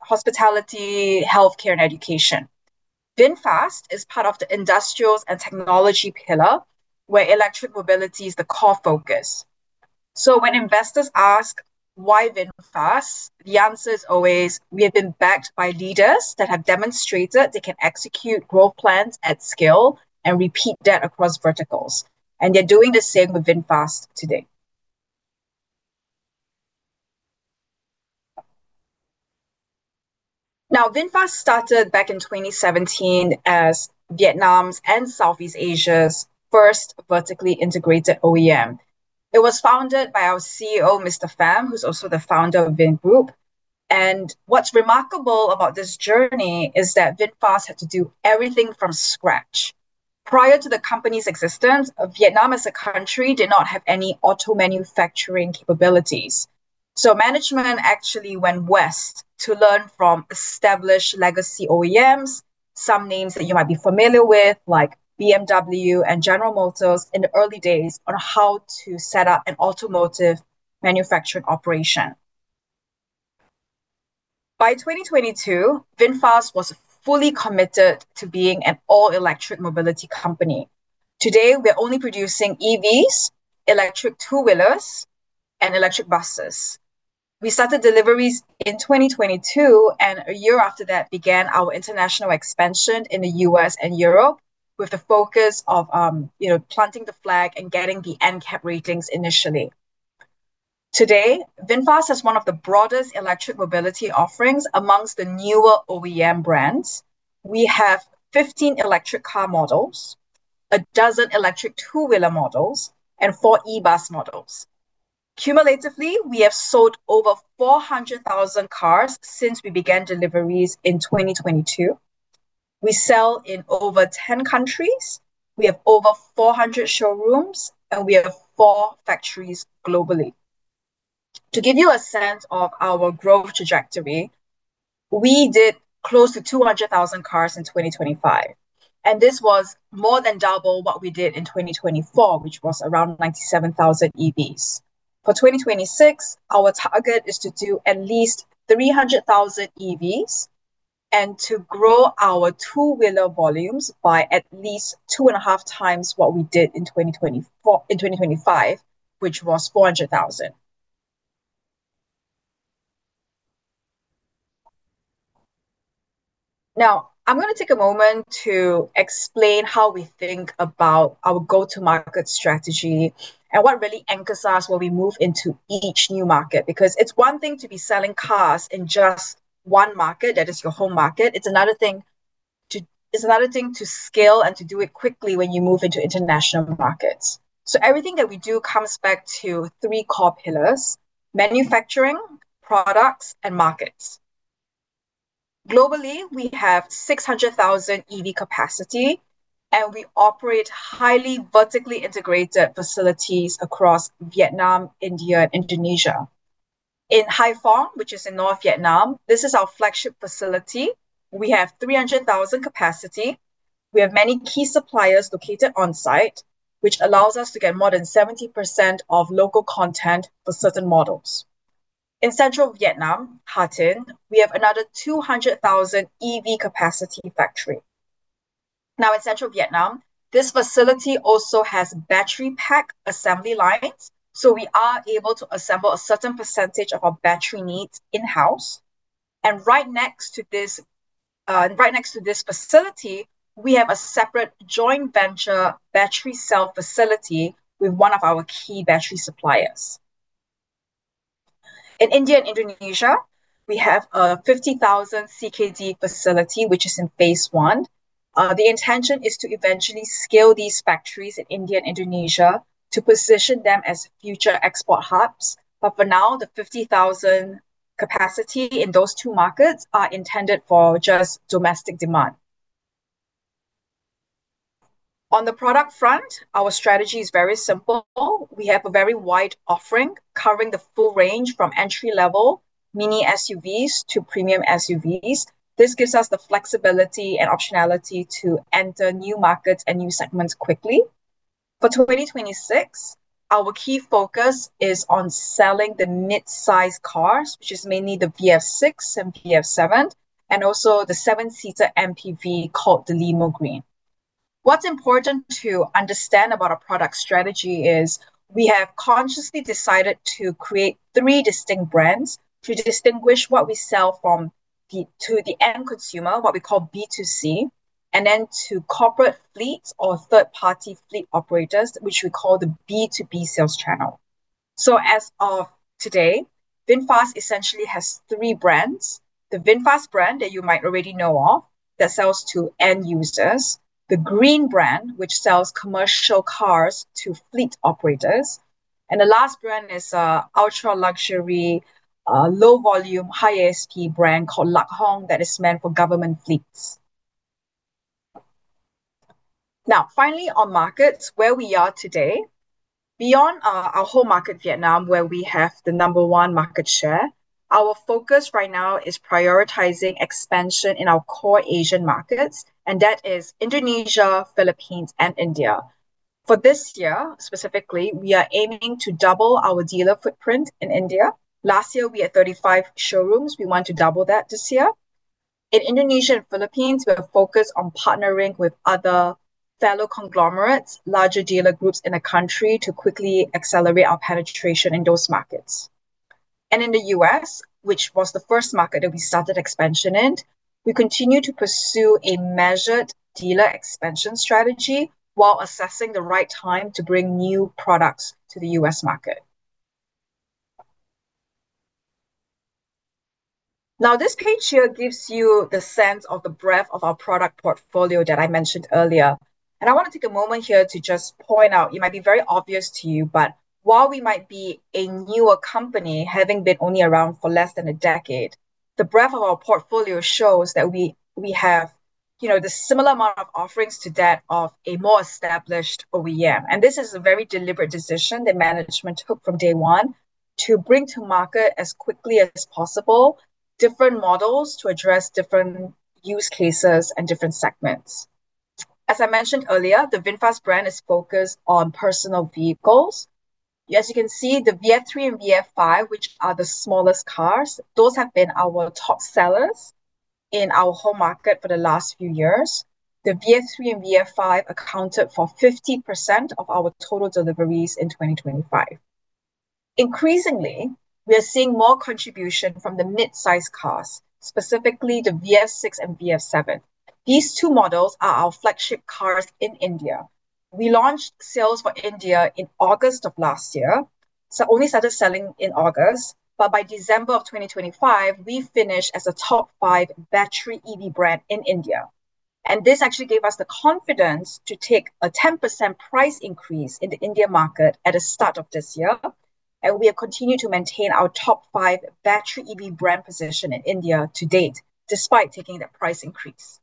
hospitality, healthcare, and education. VinFast is part of the industrials and technology pillar, where electric mobility is the core focus. When investors ask why VinFast, the answer is always we have been backed by leaders that have demonstrated they can execute growth plans at scale and repeat that across verticals, and they're doing the same with VinFast today. Now, VinFast started back in 2017 as Vietnam's, and Southeast Asia's, first vertically integrated OEM. It was founded by our CEO, Mr. Pham, who's also the founder of Vingroup. What's remarkable about this journey is that VinFast had to do everything from scratch. Prior to the company's existence, Vietnam as a country did not have any auto manufacturing capabilities. Management actually went west to learn from established legacy OEMs, some names that you might be familiar with, like BMW and General Motors in the early days, on how to set up an automotive manufacturing operation. By 2022, VinFast was fully committed to being an all-electric mobility company. Today, we're only producing EVs, electric two-wheelers, and electric buses. We started deliveries in 2022, and a year after that began our international expansion in the U.S. and Europe with the focus of planting the flag and getting the NCAP ratings initially. Today, VinFast has one of the broadest electric mobility offerings amongst the newer OEM brands. We have 15 electric car models, a dozen electric two-wheeler models, and four e-bus models. Cumulatively, we have sold over 400,000 cars since we began deliveries in 2022. We sell in over 10 countries. We have over 400 showrooms, and we have four factories globally. To give you a sense of our growth trajectory, we did close to 200,000 cars in 2025, and this was more than double what we did in 2024, which was around 97,000 EVs. For 2026, our target is to do at least 300,000 EVs and to grow our two-wheeler volumes by at least 2.5 times what we did in 2025, which was 400,000. Now, I'm going to take a moment to explain how we think about our go-to-market strategy and what really anchors us when we move into each new market, because it's one thing to be selling cars in just one market, that is your home market. It's another thing to scale and to do it quickly when you move into international markets. Everything that we do comes back to three core pillars, manufacturing, products, and markets. Globally, we have 600,000 EV capacity, and we operate highly vertically integrated facilities across Vietnam, India, and Indonesia. In Haiphong, which is in north Vietnam, this is our flagship facility. We have 300,000 capacity. We have many key suppliers located on-site, which allows us to get more than 70% of local content for certain models. In central Vietnam, Ha Tinh, we have another 200,000 EV capacity factory. Now in central Vietnam, this facility also has battery pack assembly lines, so we are able to assemble a certain percentage of our battery needs in-house. Right next to this facility, we have a separate joint venture battery cell facility with one of our key battery suppliers. In India and Indonesia, we have a 50,000 CKD facility, which is in phase one. The intention is to eventually scale these factories in India and Indonesia to position them as future export hubs. For now, the 50,000 capacity in those two markets are intended for just domestic demand. On the product front, our strategy is very simple. We have a very wide offering covering the full range from entry-level mini SUVs to premium SUVs. This gives us the flexibility and optionality to enter new markets and new segments quickly. For 2026, our key focus is on selling the mid-size cars, which is mainly the VF 6 and VF 7, and also the seven-seater MPV called the Limo Green. What's important to understand about our product strategy is we have consciously decided to create three distinct brands to distinguish what we sell to the end consumer, what we call B2C, and then to corporate fleets or third-party fleet operators, which we call the B2B sales channel. As of today, VinFast essentially has three brands. The VinFast brand that you might already know of, that sells to end users, the Green brand, which sells commercial cars to fleet operators. The last brand is an ultra-luxury, low-volume, high-spec brand called Lạc Hồng that is meant for government fleets. Now, finally on markets, where we are today. Beyond our home market, Vietnam, where we have the number one market share, our focus right now is prioritizing expansion in our core Asian markets, and that is Indonesia, Philippines, and India. For this year, specifically, we are aiming to double our dealer footprint in India. Last year, we had 35 showrooms. We want to double that this year. In Indonesia and Philippines, we are focused on partnering with other fellow conglomerates, larger dealer groups in the country to quickly accelerate our penetration in those markets. In the U.S., which was the first market that we started expansion in, we continue to pursue a measured dealer expansion strategy while assessing the right time to bring new products to the U.S. market. Now, this page here gives you the sense of the breadth of our product portfolio that I mentioned earlier. I want to take a moment here to just point out, it might be very obvious to you, but while we might be a newer company, having been only around for less than a decade, the breadth of our portfolio shows that we have the similar amount of offerings to that of a more established OEM. This is a very deliberate decision that management took from day one to bring to market as quickly as possible different models to address different use cases and different segments. As I mentioned earlier, the VinFast brand is focused on personal vehicles. As you can see, the VF 3 and VF 5, which are the smallest cars, those have been our top sellers in our home market for the last few years. The VF 3 and VF 5 accounted for 50% of our total deliveries in 2025. Increasingly, we are seeing more contribution from the mid-size cars, specifically the VF 6 and VF 7. These two models are our flagship cars in India. We launched sales for India in August of last year, so only started selling in August. By December of 2025, we finished as a top five battery EV brand in India. This actually gave us the confidence to take a 10% price increase in the India market at the start of this year. We have continued to maintain our top five battery EV brand position in India to date, despite taking that price increase.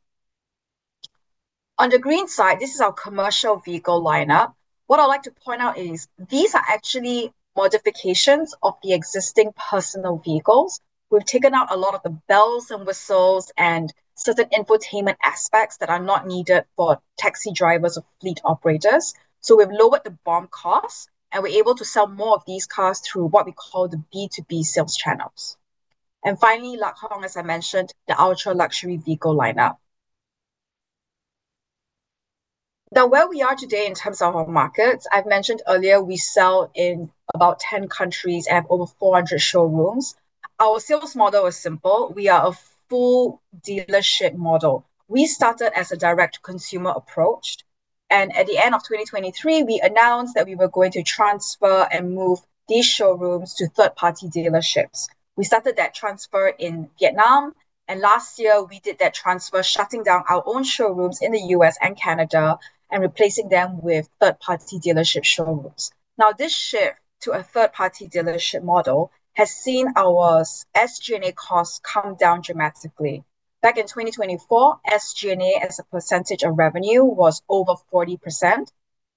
On the Green side, this is our commercial vehicle lineup. What I'd like to point out is these are actually modifications of the existing personal vehicles. We've taken out a lot of the bells and whistles and certain infotainment aspects that are not needed for taxi drivers or fleet operators. We've lowered the BOM cost, and we're able to sell more of these cars through what we call the B2B sales channels. Finally, Lạc Hồng, as I mentioned, the ultra-luxury vehicle lineup. Now where we are today in terms of our markets, I've mentioned earlier, we sell in about 10 countries and have over 400 showrooms. Our sales model is simple. We are a full dealership model. We started as a direct-to-consumer approach, and at the end of 2023, we announced that we were going to transfer and move these showrooms to third-party dealerships. We started that transfer in Vietnam, and last year we did that transfer, shutting down our own showrooms in the U.S. and Canada and replacing them with third-party dealership showrooms. Now, this shift to a third-party dealership model has seen our SG&A costs come down dramatically. Back in 2024, SG&A as a percentage of revenue was over 40%.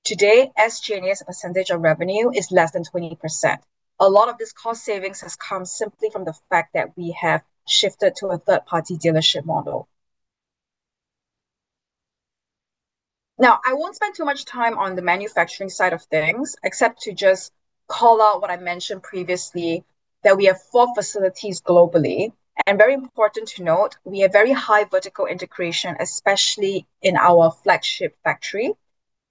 Today, SG&A as a percentage of revenue is less than 20%. A lot of this cost savings has come simply from the fact that we have shifted to a third-party dealership model. Now, I won't spend too much time on the manufacturing side of things, except to just call out what I mentioned previously, that we have four facilities globally. Very important to note, we have very high vertical integration, especially in our flagship factory.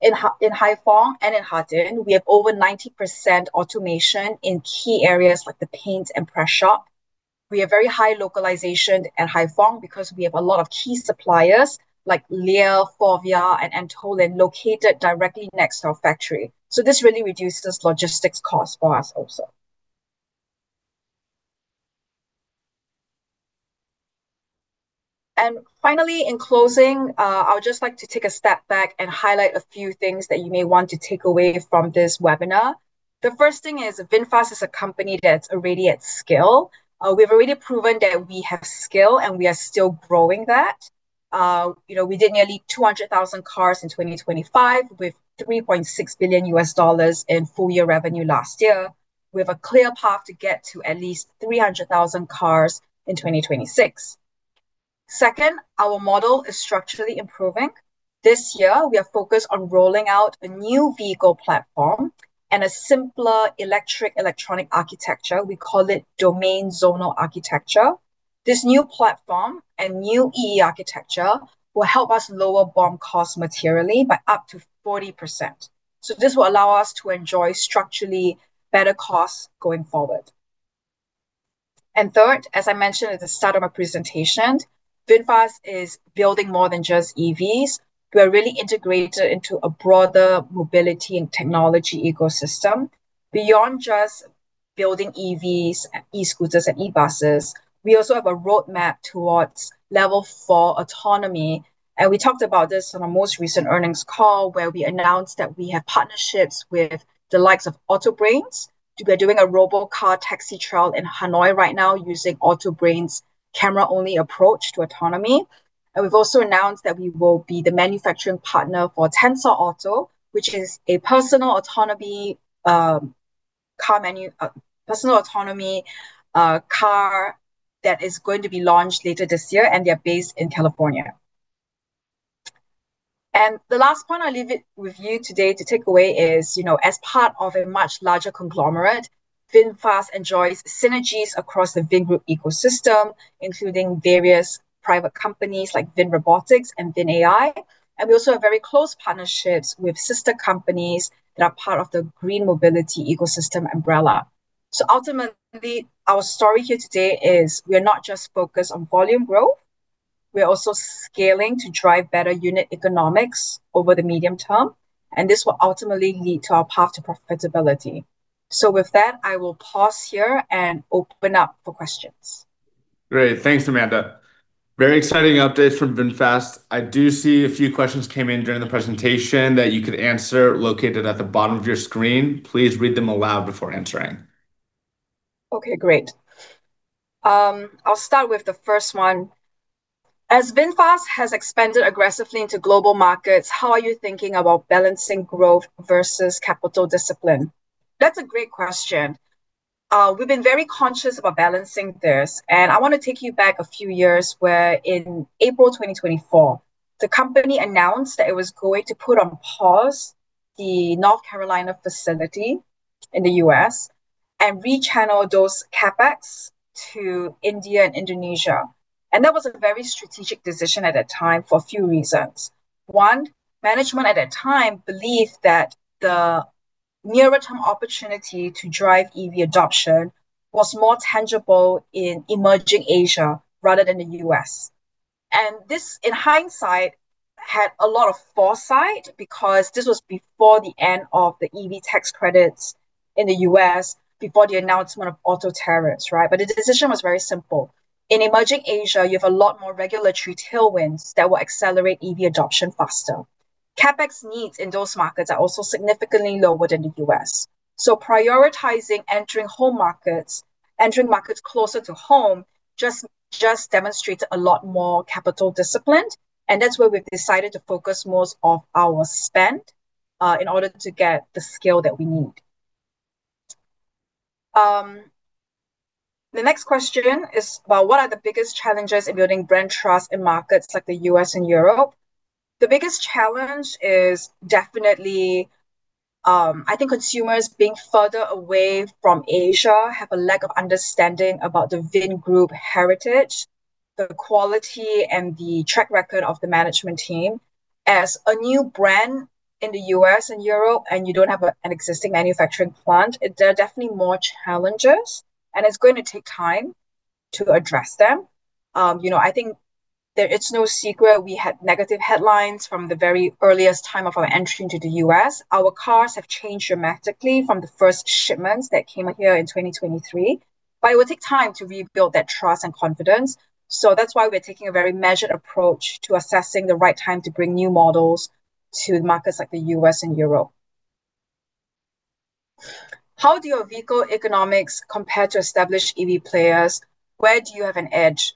In Hải Phòng and in Thai Nguyen, we have over 90% automation in key areas like the paint and press shop. We have very high localization at Hai Phong because we have a lot of key suppliers like Lear, Faurecia, and Antolin, located directly next to our factory. This really reduces logistics costs for us also. Finally, in closing, I would just like to take a step back and highlight a few things that you may want to take away from this webinar. The first thing is VinFast is a company that's already at scale. We've already proven that we have scale, and we are still growing that. We did nearly 200,000 cars in 2025, with $3.6 billion in full-year revenue last year. We have a clear path to get to at least 300,000 cars in 2026. Second, our model is structurally improving. This year, we are focused on rolling out a new vehicle platform and a simpler electrical-electronic architecture. We call it domain zonal architecture. This new platform and new EE architecture will help us lower BOM cost materially by up to 40%. This will allow us to enjoy structurally better costs going forward. Third, as I mentioned at the start of my presentation, VinFast is building more than just EVs. We are really integrated into a broader mobility and technology ecosystem. Beyond just building EVs, e-scooters, and e-buses, we also have a roadmap towards level four autonomy, and we talked about this on our most recent earnings call, where we announced that we have partnerships with the likes of Autobrains. We are doing a robot car taxi trial in Hanoi right now using Autobrains' camera-only approach to autonomy. We've also announced that we will be the manufacturing partner for Tensor Auto, which is a personal autonomy car that is going to be launched later this year, and they are based in California. The last point I leave with you today to take away is, as part of a much larger conglomerate, VinFast enjoys synergies across the Vingroup ecosystem, including various private companies like VinRobotics and VinAI. We also have very close partnerships with sister companies that are part of the green mobility ecosystem umbrella. Ultimately, our story here today is we're not just focused on volume growth, we are also scaling to drive better unit economics over the medium term, and this will ultimately lead to our path to profitability. With that, I will pause here and open up for questions. Great. Thanks, Amanda. Very exciting updates from VinFast. I do see a few questions came in during the presentation that you could answer, located at the bottom of your screen. Please read them aloud before answering. Okay, great. I'll start with the first one. "As VinFast has expanded aggressively into global markets, how are you thinking about balancing growth versus capital discipline?" That's a great question. We've been very conscious about balancing this, and I want to take you back a few years where in April 2024, the company announced that it was going to put on pause the North Carolina facility in the U.S. and rechannel those CapEx to India and Indonesia. That was a very strategic decision at that time for a few reasons. One, management at that time believed that the nearer-term opportunity to drive EV adoption was more tangible in emerging Asia rather than the U.S. This, in hindsight, had a lot of foresight because this was before the end of the EV tax credits in the U.S., before the announcement of auto tariffs, right? The decision was very simple. In emerging Asia, you have a lot more regulatory tailwinds that will accelerate EV adoption faster. CapEx needs in those markets are also significantly lower than the U.S. Prioritizing entering markets closer to home just demonstrated a lot more capital discipline, and that's where we've decided to focus most of our spend in order to get the scale that we need. The next question is about what are the biggest challenges in building brand trust in markets like the U.S. and Europe? The biggest challenge is definitely, I think consumers being further away from Asia have a lack of understanding about the Vingroup heritage, the quality, and the track record of the management team. As a new brand in the U.S. and Europe, and you don't have an existing manufacturing plant, there are definitely more challenges, and it's going to take time to address them. I think that it's no secret we had negative headlines from the very earliest time of our entry into the U.S. Our cars have changed dramatically from the first shipments that came here in 2023, but it will take time to rebuild that trust and confidence. That's why we're taking a very measured approach to assessing the right time to bring new models to markets like the U.S. and Europe. How do your vehicle economics compare to established EV players? Where do you have an edge?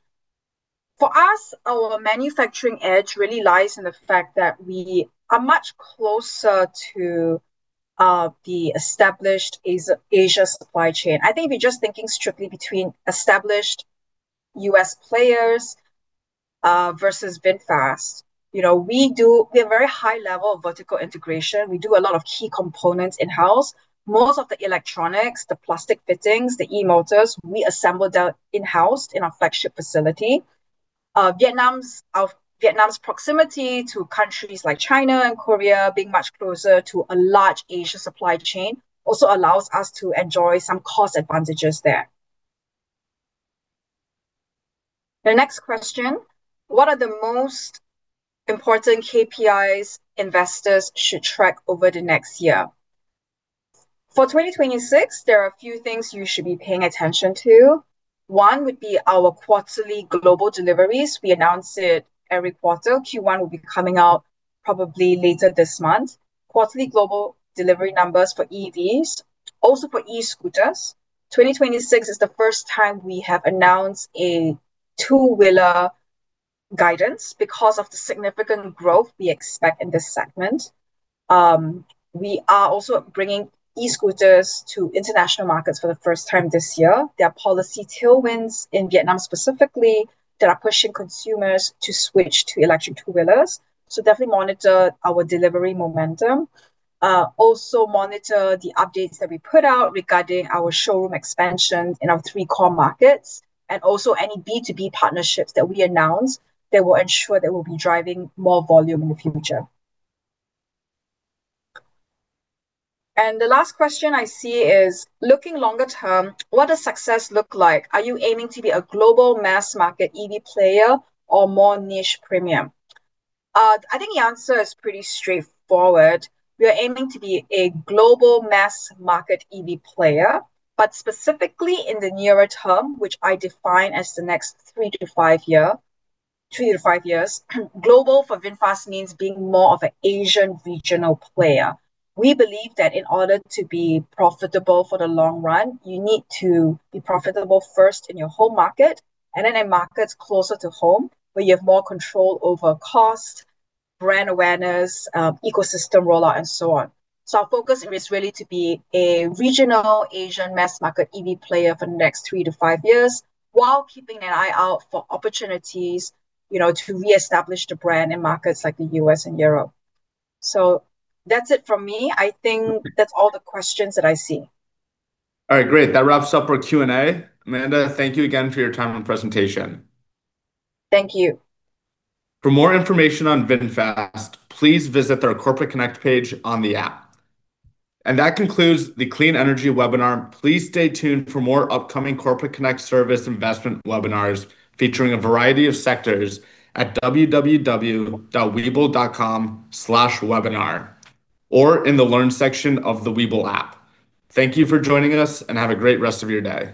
For us, our manufacturing edge really lies in the fact that we are much closer to the established Asia supply chain. I think if you're just thinking strictly between established U.S. players versus VinFast, we have very high level of vertical integration. We do a lot of key components in-house. Most of the electronics, the plastic fittings, the e-motors, we assemble that in-house in our flagship facility. Vietnam's proximity to countries like China and Korea, being much closer to a large Asian supply chain, also allows us to enjoy some cost advantages there. The next question, what are the most important KPIs investors should track over the next year? For 2026, there are a few things you should be paying attention to. One would be our quarterly global deliveries. We announce it every quarter. Q1 will be coming out probably later this month. Quarterly global delivery numbers for EVs, also for e-scooters. 2026 is the first time we have announced a two-wheeler guidance because of the significant growth we expect in this segment. We are also bringing e-scooters to international markets for the first time this year. There are policy tailwinds in Vietnam specifically that are pushing consumers to switch to electric two-wheelers. Definitely monitor our delivery momentum. Also monitor the updates that we put out regarding our showroom expansion in our three core markets, and also any B2B partnerships that we announce that will ensure that we'll be driving more volume in the future. The last question I see is, looking longer term, what does success look like? Are you aiming to be a global mass market EV player or more niche premium? I think the answer is pretty straightforward. We are aiming to be a global mass market EV player, but specifically in the nearer term, which I define as the next three-five years, global for VinFast means being more of an Asian regional player. We believe that in order to be profitable for the long run, you need to be profitable first in your home market and in the markets closer to home, where you have more control over cost, brand awareness, ecosystem rollout, and so on. Our focus is really to be a regional Asian mass market EV player for the next three-five years while keeping an eye out for opportunities to reestablish the brand in markets like the U.S. and Europe. That's it from me. I think that's all the questions that I see. All right. Great. That wraps up our Q&A. Amanda, thank you again for your time and presentation. Thank you. For more information on VinFast, please visit their Corporate Connect page on the app. That concludes the Clean Energy webinar. Please stay tuned for more upcoming Corporate Connect Service investment webinars featuring a variety of sectors at www.webull.com/webinar or in the Learn section of the Webull app. Thank you for joining us, and have a great rest of your day.